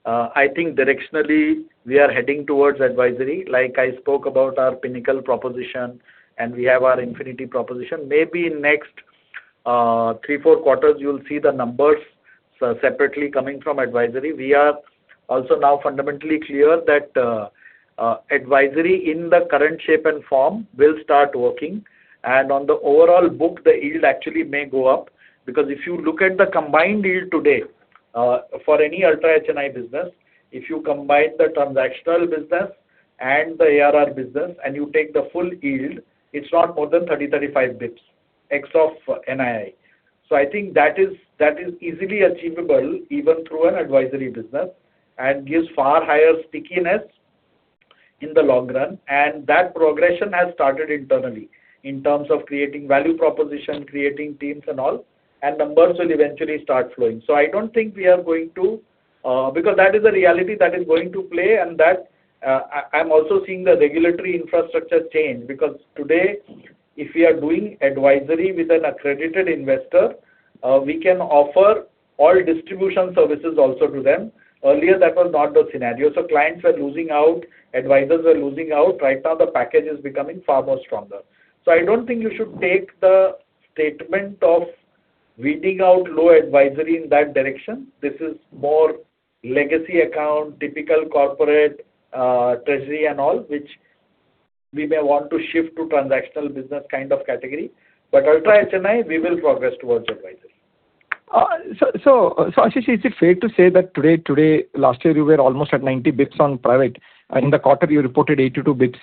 I think directionally we are heading towards advisory. Like I spoke about our Pinnacle proposition and we have our Infinity proposition. Maybe in next three, four quarters, you will see the numbers separately coming from advisory. We are also now fundamentally clear that advisory in the current shape and form will start working, and on the overall book the yield actually may go up. Because if you look at the combined yield today for any ultra HNI business, if you combine the transactional business and the ARR business and you take the full yield, it is not more than 30, 35 basis points, ex of NII. I think that is easily achievable even through an advisory business and gives far higher stickiness in the long run. That progression has started internally in terms of creating value proposition, creating teams and all and numbers will eventually start flowing. That is the reality that is going to play and that I am also seeing the regulatory infrastructure change. Today, if we are doing advisory with an accredited investor, we can offer all distribution services also to them. Earlier, that was not the scenario. Clients were losing out, advisors were losing out. Right now the package is becoming far more stronger. I don't think you should take the statement of weeding out low advisory in that direction. This is more legacy account, typical corporate treasury and all, which we may want to shift to transactional business kind of category, but ultra HNI, we will progress towards advisory. Ashish, is it fair to say that last year you were almost at 90 bps on private. In the quarter, you reported 82 bps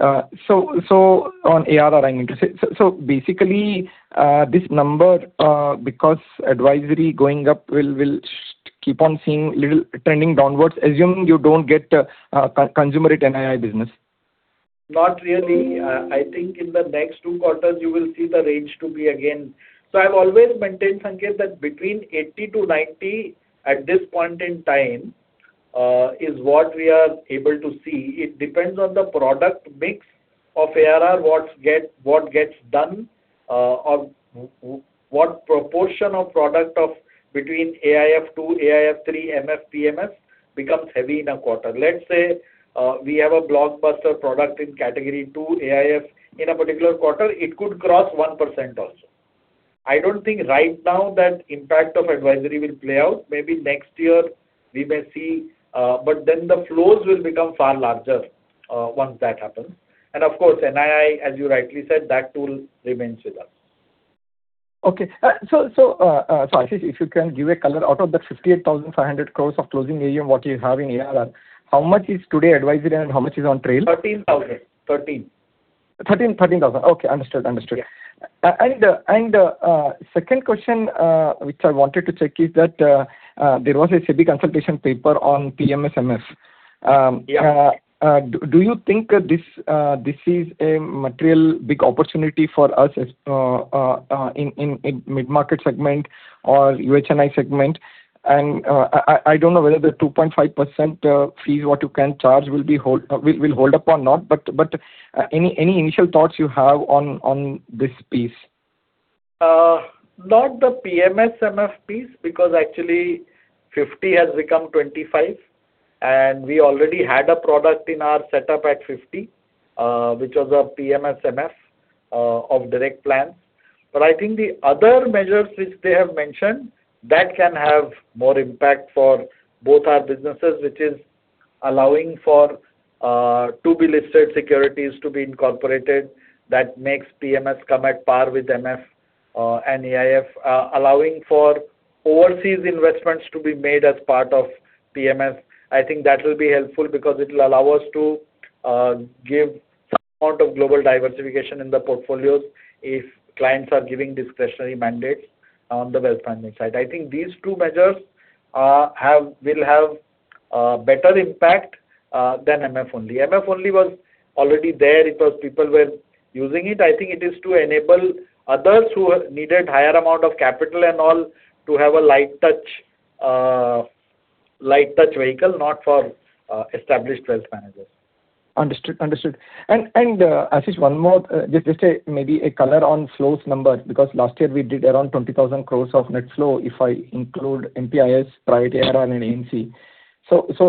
on ARR, I mean to say. Basically, this number because advisory going up will keep on seeing little trending downwards, assuming you don't get consumerate NII business? Not really. I think in the next two quarters you will see the range to be again. I've always maintained, Sanketh, that between 80 to 90 at this point in time is what we are able to see. It depends on the product mix of ARR, what gets done, or what proportion of product of between AIF 2, AIF 3, MF, PMS becomes heavy in a quarter. Let's say we have a blockbuster product in category two AIF in a particular quarter, it could cross 1% also. I don't think right now that impact of advisory will play out. Maybe next year we may see the flows will become far larger once that happens. Of course, NII, as you rightly said, that tool remains with us. Okay. Ashish, if you can give a color out of that 58,500 crores of closing AUM what you have in ARR, how much is today advisory and how much is on trail? 13,000. 13. 13,000. Okay, understood. Yeah. Second question which I wanted to check is that there was a SEBI consultation paper on PMS MF. Yeah. Do you think this is a material big opportunity for us in mid-market segment or UHNI segment? I don't know whether the 2.5% fees what you can charge will hold up or not, any initial thoughts you have on this piece? Not the PMS MF piece because actually 50 has become 25 and we already had a product in our setup at 50 which was a PMS MF of direct plan. I think the other measures which they have mentioned that can have more impact for both our businesses, which is allowing for to-be-listed securities to be incorporated. That makes PMS come at par with MF and AIF. Allowing for overseas investments to be made as part of PMS, I think that will be helpful because it will allow us to give some amount of global diversification in the portfolios if clients are giving discretionary mandates on the wealth management side. I think these two measures will have better impact than MF only. MF only was already there. It was people were using it. I think it is to enable others who needed higher amount of capital and all to have a light touch vehicle not for established wealth managers. Understood. Ashish, one more. Just a maybe a color on flows number because last year we did around 20,000 crore of net flow if I include NPI's, private ARR and AMC.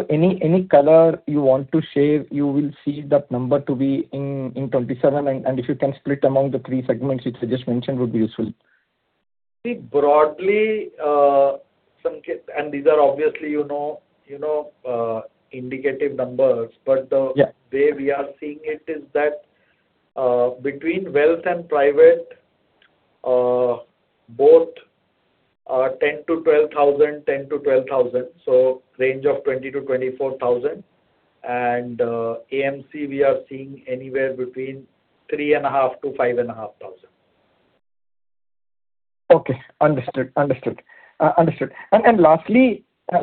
Any color you want to share you will see that number to be in 27 and if you can split among the three segments which I just mentioned would be useful. See broadly, Sanketh. These are obviously indicative numbers. Yeah way we are seeing it is that between wealth and private, both are 10,000-12,000, 10,000-12,000. Range of 20,000-24,000. AMC we are seeing anywhere between 3,500-5,500. Okay, understood.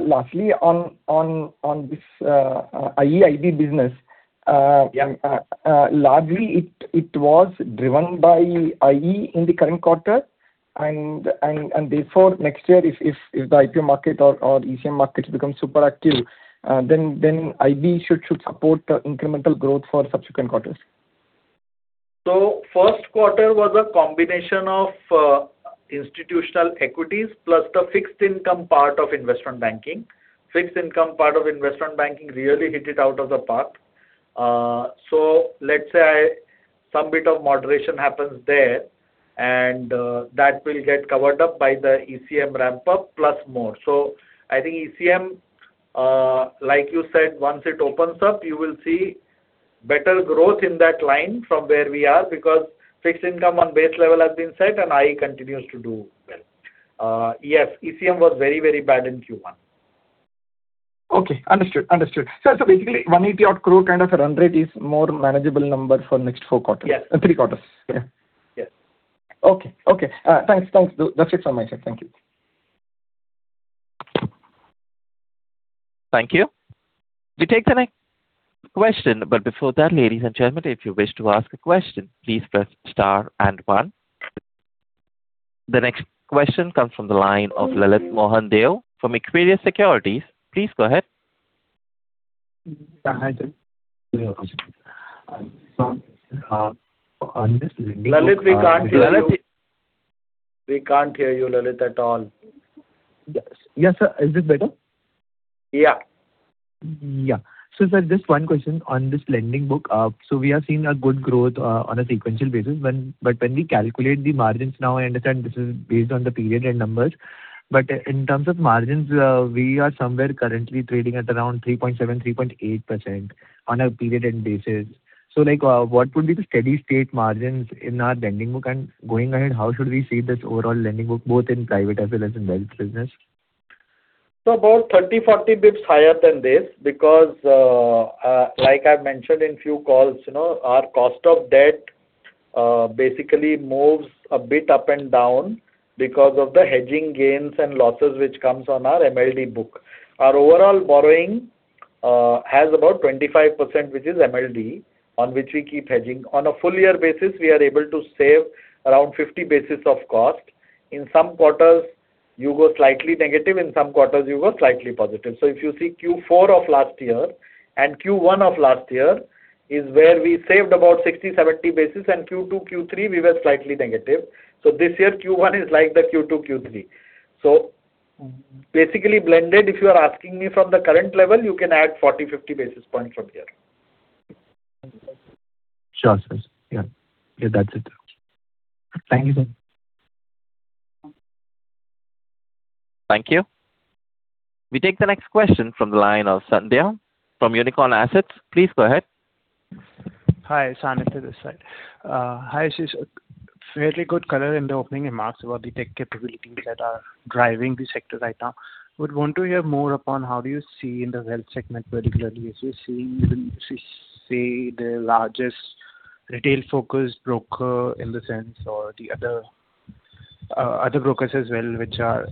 Lastly on this IEIB business. Yeah largely it was driven by IE in the current quarter and therefore next year if the IPO market or ECM markets become super active then IB should support incremental growth for subsequent quarters. first quarter was a combination of institutional equities plus the fixed income part of investment banking. Fixed income part of investment banking really hit it out of the park. Let's say some bit of moderation happens there, and that will get covered up by the ECM ramp up plus more. I think ECM, like you said, once it opens up, you will see better growth in that line from where we are because fixed income on base level has been set and IE continues to do well. Yes. ECM was very bad in Q1. Okay. Understood. basically, 180 odd crore kind of a run rate is more manageable number for next three quarters. Yes. Okay. Thanks. That's it from my side. Thank you. Thank you. We take the next question, but before that, ladies and gentlemen, if you wish to ask a question, please press star and one. The next question comes from the line of Lalit Mohan Deo from Equirus Securities. Please go ahead. Lalit, we can't hear you. We can't hear you, Lalit, at all. Yes, sir. Is this better? Yeah. Sir, just one question on this lending book. We are seeing a good growth on a sequential basis. When we calculate the margins now, I understand this is based on the period-end numbers. In terms of margins, we are somewhere currently trading at around 3.7%, 3.8% on a period end basis. What would be the steady-state margins in our lending book? Going ahead, how should we see this overall lending book, both in private as well as in wealth business? About 30, 40 basis points higher than this, because like I've mentioned in few calls, our cost of debt basically moves a bit up and down because of the hedging gains and losses which comes on our MLD book. Our overall borrowing has about 25%, which is MLD, on which we keep hedging. On a full year basis, we are able to save around 50 basis points of cost. In some quarters, you go slightly negative, in some quarters, you go slightly positive. If you see Q4 of last year and Q1 of last year is where we saved about 60, 70 basis points, and Q2, Q3, we were slightly negative. This year, Q1 is like the Q2, Q3. Basically blended, if you are asking me from the current level, you can add 40, 50 basis points from here. Sure, sir. Yeah. That's it. Thank you, sir. Thank you. We take the next question from the line of Sanidhya from Unicorn Assets. Please go ahead. Hi, Sanidhya this side. Hi, Ashish. Fairly good color in the opening remarks about the tech capabilities that are driving the sector right now. Would want to hear more upon how do you see in the wealth segment, particularly as you see the largest retail-focused broker in the sense or the other brokers as well, which are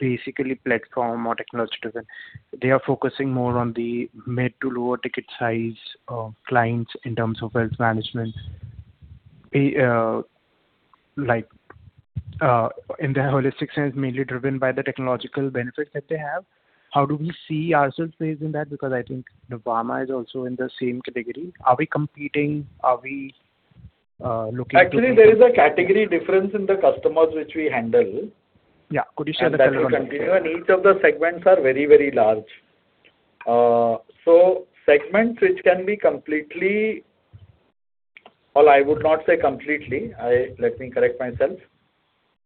basically platform or technology-driven. They are focusing more on the mid to lower ticket size clients in terms of wealth management. In the holistic sense, mainly driven by the technological benefits that they have. How do we see ourselves placed in that? Because I think Nuvama is also in the same category. Are we competing? Are we looking to Actually, there is a category difference in the customers which we handle. Yeah. Could you share the color on it? That will continue. Each of the segments are very large. Segments which can be completely Well, I would not say completely. Let me correct myself.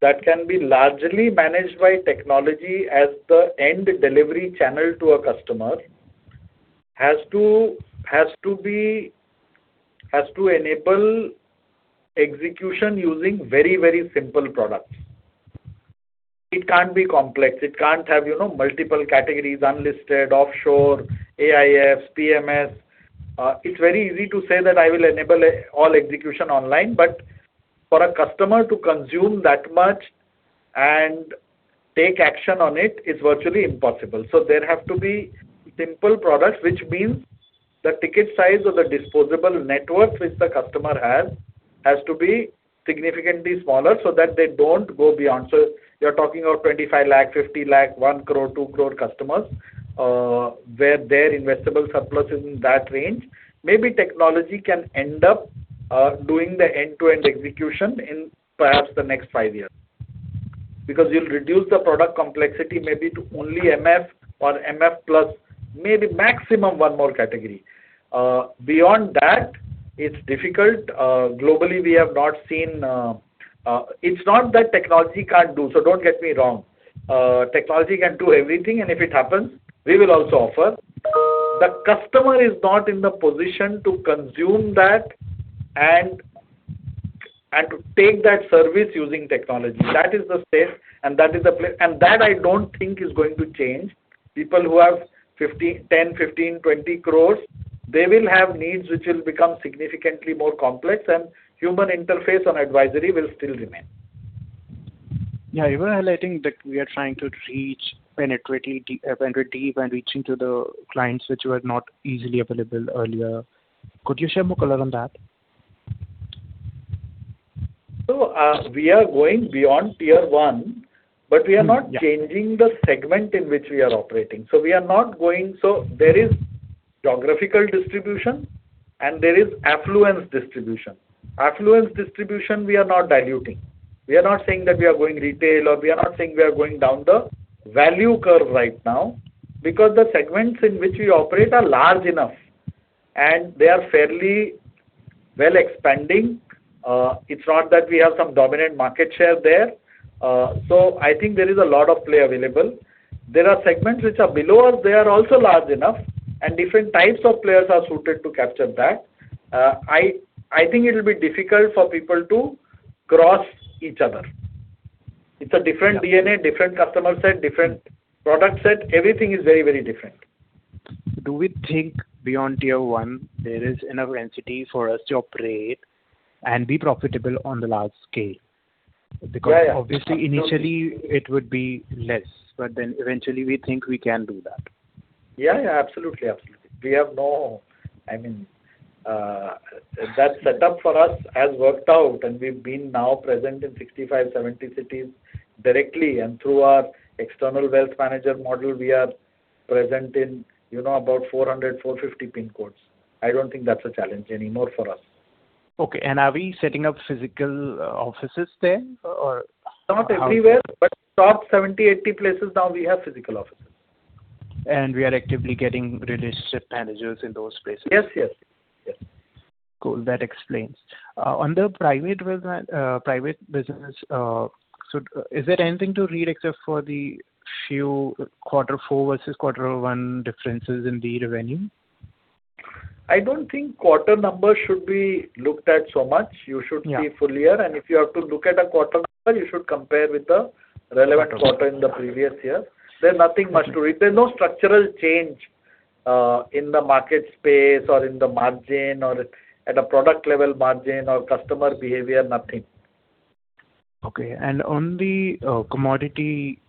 That can be largely managed by technology as the end delivery channel to a customer has to enable execution using very simple products. It can't be complex. It can't have multiple categories, unlisted, offshore, AIFs, PMS. It's very easy to say that I will enable all execution online, but for a customer to consume that much and take action on it is virtually impossible. There have to be simple products, which means the ticket size of the disposable networks which the customer has to be significantly smaller so that they don't go beyond. You're talking about 25 lakh, 50 lakh, 1 crore, 2 crore customers, where their investable surplus is in that range. Maybe technology can end up doing the end-to-end execution in perhaps the next five years. You'll reduce the product complexity maybe to only MF or MF plus maybe maximum one more category. Beyond that, it's difficult. It's not that technology can't do, so don't get me wrong. Technology can do everything, and if it happens, we will also offer. The customer is not in the position to consume that and to take that service using technology. That is the space and that I don't think is going to change. People who have 10 crore, 15 crore, 20 crore, they will have needs which will become significantly more complex and human interface on advisory will still remain. Yeah. You were highlighting that we are trying to reach, penetrate deep and reaching to the clients which were not easily available earlier. Could you share more color on that? We are going beyond tier 1, but we are not changing the segment in which we are operating. There is geographical distribution and there is affluence distribution. Affluence distribution, we are not diluting. We are not saying that we are going retail, or we are not saying we are going down the value curve right now because the segments in which we operate are large enough and they are fairly well expanding. It's not that we have some dominant market share there. I think there is a lot of play available. There are segments which are below us, they are also large enough and different types of players are suited to capture that. I think it'll be difficult for people to cross each other. It's a different DNA, different customer set, different product set. Everything is very different. Do we think beyond tier 1 there is enough entity for us to operate and be profitable on the large scale? Yeah. Because obviously initially it would be less, but then eventually we think we can do that. Yeah, absolutely. That setup for us has worked out and we've been now present in 65, 70 cities directly and through our external wealth manager model, we are present in about 400, 450 pin codes. I don't think that's a challenge anymore for us. Okay. Are we setting up physical offices there? Not everywhere, but top 70, 80 places now we have physical offices. We are actively getting relationship managers in those places? Yes. Cool. That explains. On the private business is there anything to read except for the few quarter four versus quarter one differences in the revenue? I don't think quarter numbers should be looked at so much. You should see full year and if you have to look at a quarter number, you should compare with the relevant quarter in the previous year. There's nothing much to read. There's no structural change in the market space or in the margin or at a product level margin or customer behavior, nothing. Okay. On the commodity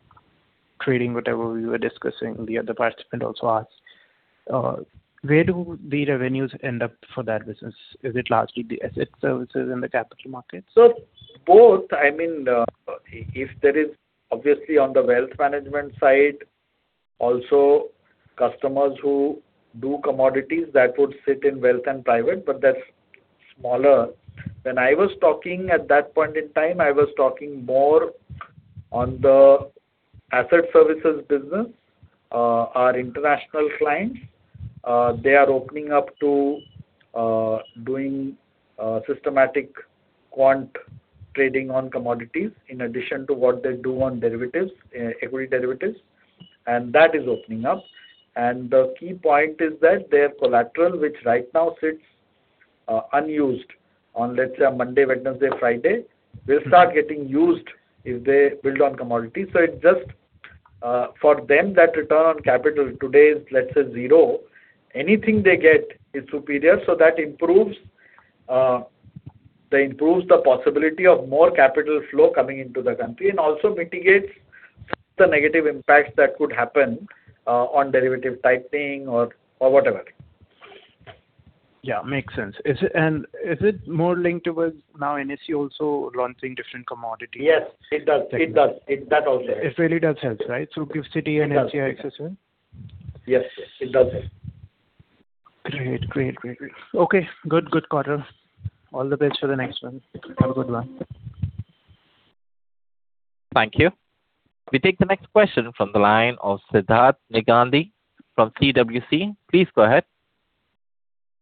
trading, whatever we were discussing the other participant also asked, where do the revenues end up for that business? Is it largely the asset services in the capital markets? Both. If there is obviously on the Wealth Management side, also customers who do commodities that would sit in Wealth and Private, but that's smaller. When I was talking at that point in time, I was talking more on the asset services business. Our international clients, they are opening up to doing systematic quant trading on commodities in addition to what they do on equity derivatives and that is opening up and the key point is that their collateral, which right now sits unused on, let's say Monday, Wednesday, Friday, will start getting used if they build on commodities. For them, that return on capital today is, let's say zero. Anything they get is superior so that improves the possibility of more capital flow coming into the country and also mitigates the negative impacts that could happen on derivative tightening or whatever. Makes sense. Is it more linked towards now NSE also launching different commodities? Yes, it does. It really does help, right? GIFT City an NSE access then? Yes, it does help. Great. Okay. Good quarter. All the best for the next one. Have a good one. Thank you. We take the next question from the line of Sidharth Negandhi from CWC. Please go ahead.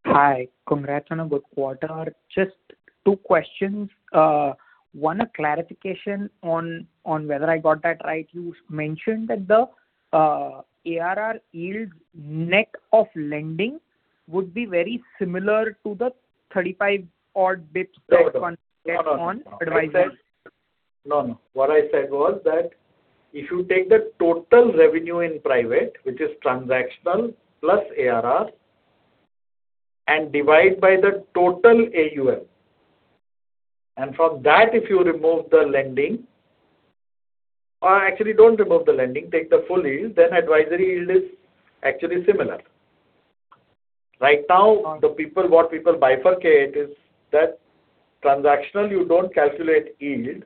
Hi. Congrats on a good quarter. Just two questions. One clarification on whether I got that right. You mentioned that the ARR yield net of lending would be very similar to the 35 odd bps that one gets on advisory. What I said was that if you take the total revenue in Private, which is transactional plus ARR and divide by the total AUM and from that if you remove the lending, or actually don't remove the lending take the full yield, then advisory yield is actually similar. Right now what people bifurcate is that transactional you don't calculate yield.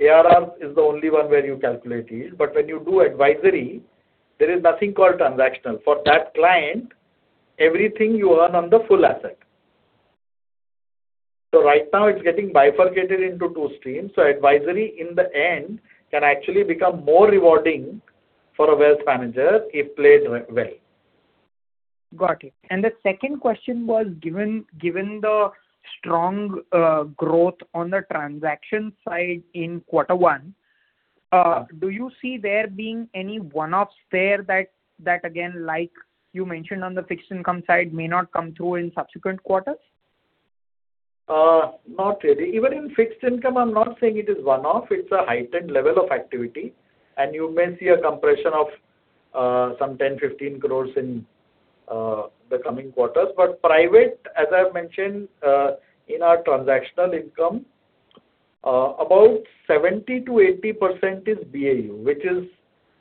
ARR is the only one where you calculate yield, but when you do advisory there is nothing called transactional. For that client, everything you earn on the full asset. So right now it's getting bifurcated into two streams so advisory in the end can actually become more rewarding for a wealth manager if played well. Got it. The second question was, given the strong growth on the transaction side in quarter one, do you see there being any one-offs there that again like you mentioned on the fixed income side may not come through in subsequent quarters? Not really. Even in fixed income I'm not saying, it is one-off. It's a heightened level of activity and you may see a compression of some 10 crore-15 crore in the coming quarters. Private, as I've mentioned in our transactional income, about 70%-80% is BAU, which is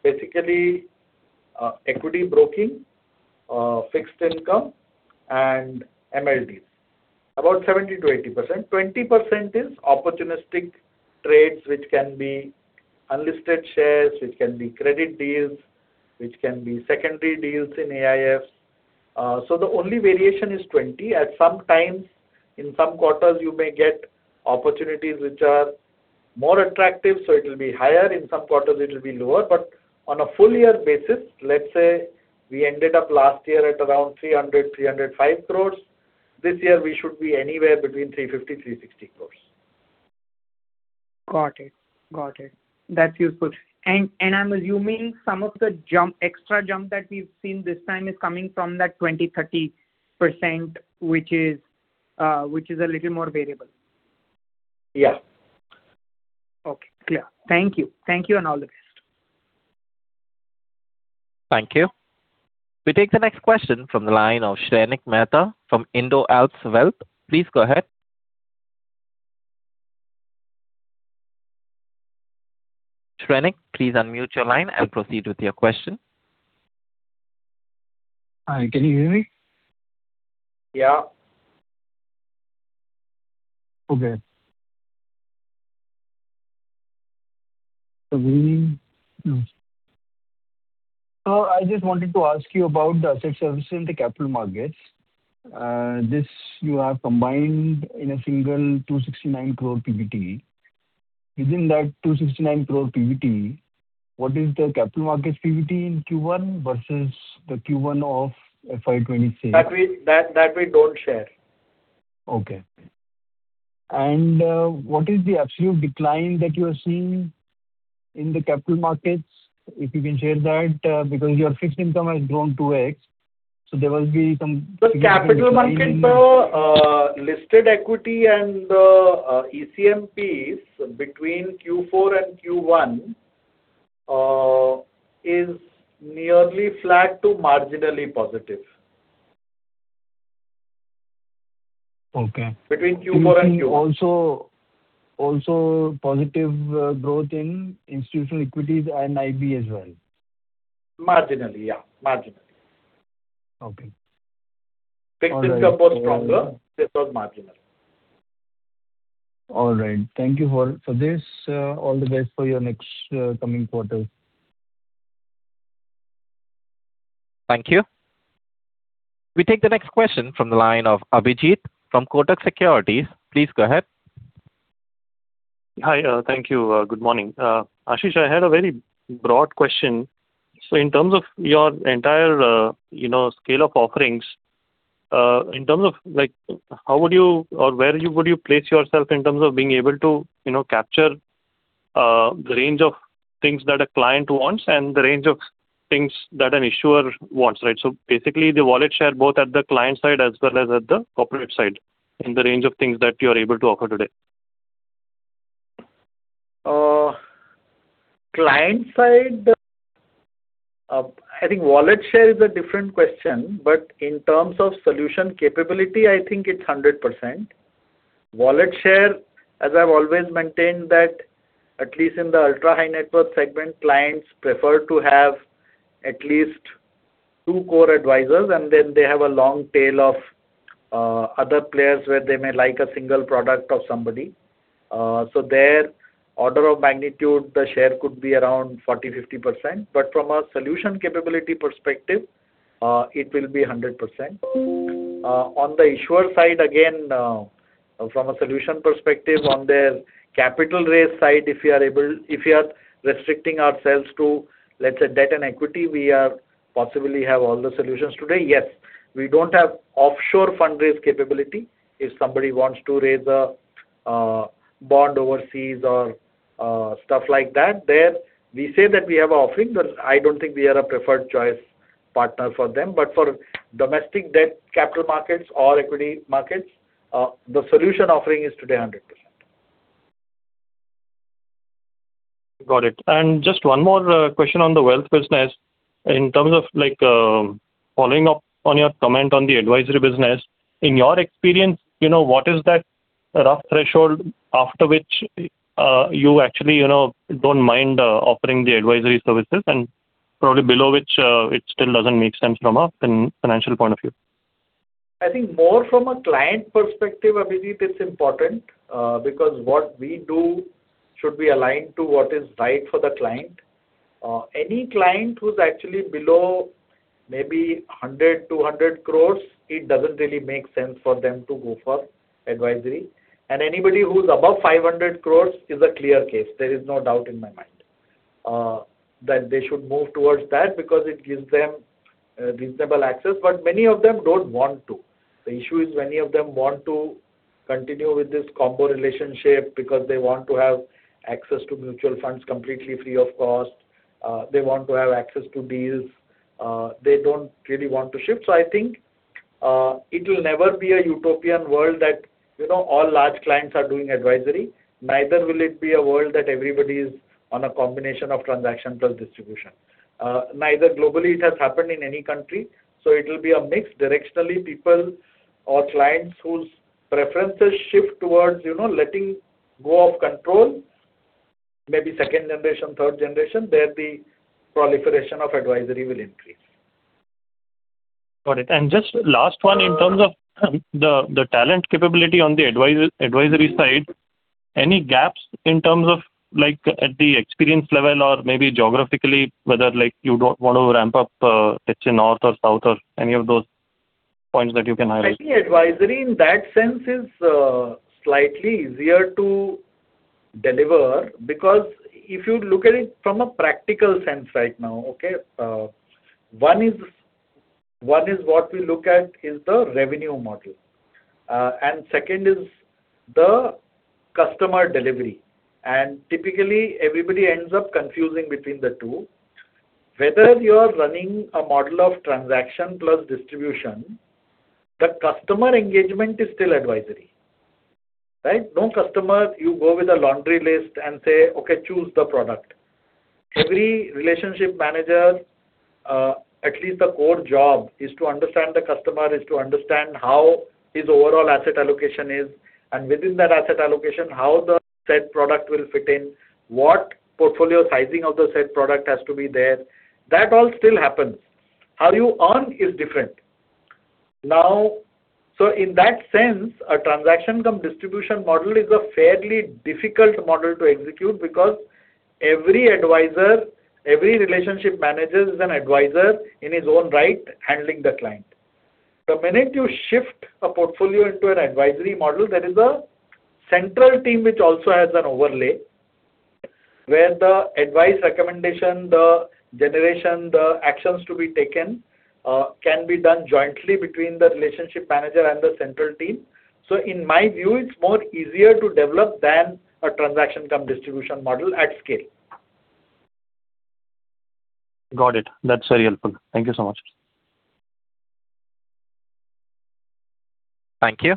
basically equity broking, fixed income and MLDs. About 70%-80%. 20% is opportunistic trades which can be unlisted shares, which can be credit deals, which can be secondary deals in AIFs. The only variation is 20%. At some times, in some quarters, you may get opportunities which are more attractive, so it'll be higher. In some quarters it'll be lower. On a full year basis, let's say we ended up last year at around 300 crore-305 crore. This year we should be anywhere between 350 crore-360 crore. Got it. That's useful. I'm assuming some of the extra jump that we've seen this time is coming from that 20%-30%, which is a little more variable. Yes. Okay, clear. Thank you. Thank you, and all the best. Thank you. We take the next question from the line of Shrenik Mehta from IndoAlps Wealth. Please go ahead. Shrenik, please unmute your line and proceed with your question. Hi, can you hear me? Yeah. Okay. I just wanted to ask you about the asset services in the capital markets. This you have combined in a single 269 crore PBT. Within that 269 crore PBT, what is the capital markets PBT in Q1 versus the Q1 of FY 2026? That we don't share. Okay. What is the absolute decline that you are seeing in the capital markets, if you can share that? Because your fixed income has grown 2x, so there will be some- The capital market, listed equity and ECMPs between Q4 and Q1 is nearly flat to marginally positive. Between Q4 and Q3. Okay. Also, positive growth in institutional equities and IB as well? Marginally, yeah. Okay. Fixed income was stronger. This was marginal. All right. Thank you for this. All the best for your next coming quarters. Thank you. We take the next question from the line of Abhijeet from Kotak Securities. Please go ahead. Hi. Thank you. Good morning. Ashish, I had a very broad question. In terms of your entire scale of offerings in terms of how would you or where would you place yourself in terms of being able to capture the range of things that a client wants and the range of things that an issuer wants, right? Basically, the wallet share both at the client side as well as at the corporate side, and the range of things that you are able to offer today. Client side, I think wallet share is a different question, but in terms of solution capability, I think it's 100%. Wallet share, as I've always maintained that at least in the ultra-high net worth segment, clients prefer to have at least two core advisors, and then they have a long tail of other players where they may like a single product of somebody. There order of magnitude, the share could be around 40%-50%. From a solution capability perspective, it will be 100%. On the issuer side, again, from a solution perspective on their capital raise side, if we are restricting ourselves to, let's say, debt and equity, we possibly have all the solutions today, yes. We don't have offshore fund raise capability. If somebody wants to raise a bond overseas or stuff like that, there we say that we have a offering, I don't think we are a preferred choice partner for them. For domestic debt, capital markets or equity markets, the solution offering is today 100%. Got it. Just one more question on the wealth business. In terms of following up on your comment on the advisory business. In your experience, what is that rough threshold after which you actually don't mind offering the advisory services and probably below which it still doesn't make sense from a financial point of view? I think more from a client perspective, Abhijeet, it is important because what we do should be aligned to what is right for the client. Any client who is actually below maybe 100 crores-200 crores, it does not really make sense for them to go for advisory. Anybody who is above 500 crores is a clear case. There is no doubt in my mind that they should move towards that because it gives them reasonable access. Many of them do not want to. The issue is many of them want to continue with this combo relationship because they want to have access to mutual funds completely free of cost. They want to have access to deals. They do not really want to shift. I think it will never be a utopian world that all large clients are doing advisory. Neither will it be a world that everybody is on a combination of transactional distribution. Neither globally it has happened in any country. It will be a mix. Directionally, people or clients whose preferences shift towards letting go of control, maybe second generation, third generation, there the proliferation of advisory will increase. Got it. Just last one in terms of the talent capability on the advisory side. Any gaps in terms of the experience level or maybe geographically, whether you want to ramp up pitch in north or south or any of those points that you can highlight? I think advisory in that sense is slightly easier to deliver because if you look at it from a practical sense right now, okay. One is what we look at is the revenue model, and second is the customer delivery. Typically, everybody ends up confusing between the two. Whether you are running a model of transaction plus distribution, the customer engagement is still advisory. Right? No customer you go with a laundry list and say, "Okay, choose the product." Every relationship manager, at least the core job is to understand the customer, is to understand how his overall asset allocation is, and within that asset allocation, how the said product will fit in, what portfolio sizing of the said product has to be there. That all still happens. How you earn is different. In that sense, a transaction cum distribution model is a fairly difficult model to execute because every relationship manager is an advisor in his own right, handling the client. The minute you shift a portfolio into an advisory model, there is a central team which also has an overlay, where the advice, recommendation, the generation the actions to be taken can be done jointly between the relationship manager and the central team. In my view, it's more easier to develop than a transaction cum distribution model at scale. Got it. That's very helpful. Thank you so much. Thank you.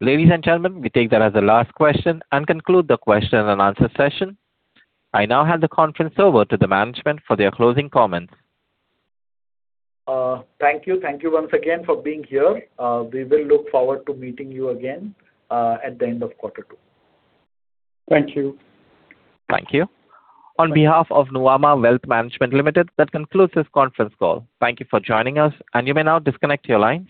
Ladies and gentlemen, we take that as the last question and conclude the question and answer session. I now hand the conference over to the management for their closing comments. Thank you. Thank you once again for being here. We will look forward to meeting you again at the end of quarter two. Thank you. Thank you. On behalf of Nuvama Wealth Management Limited, that concludes this conference call. Thank you for joining us, and you may now disconnect your line.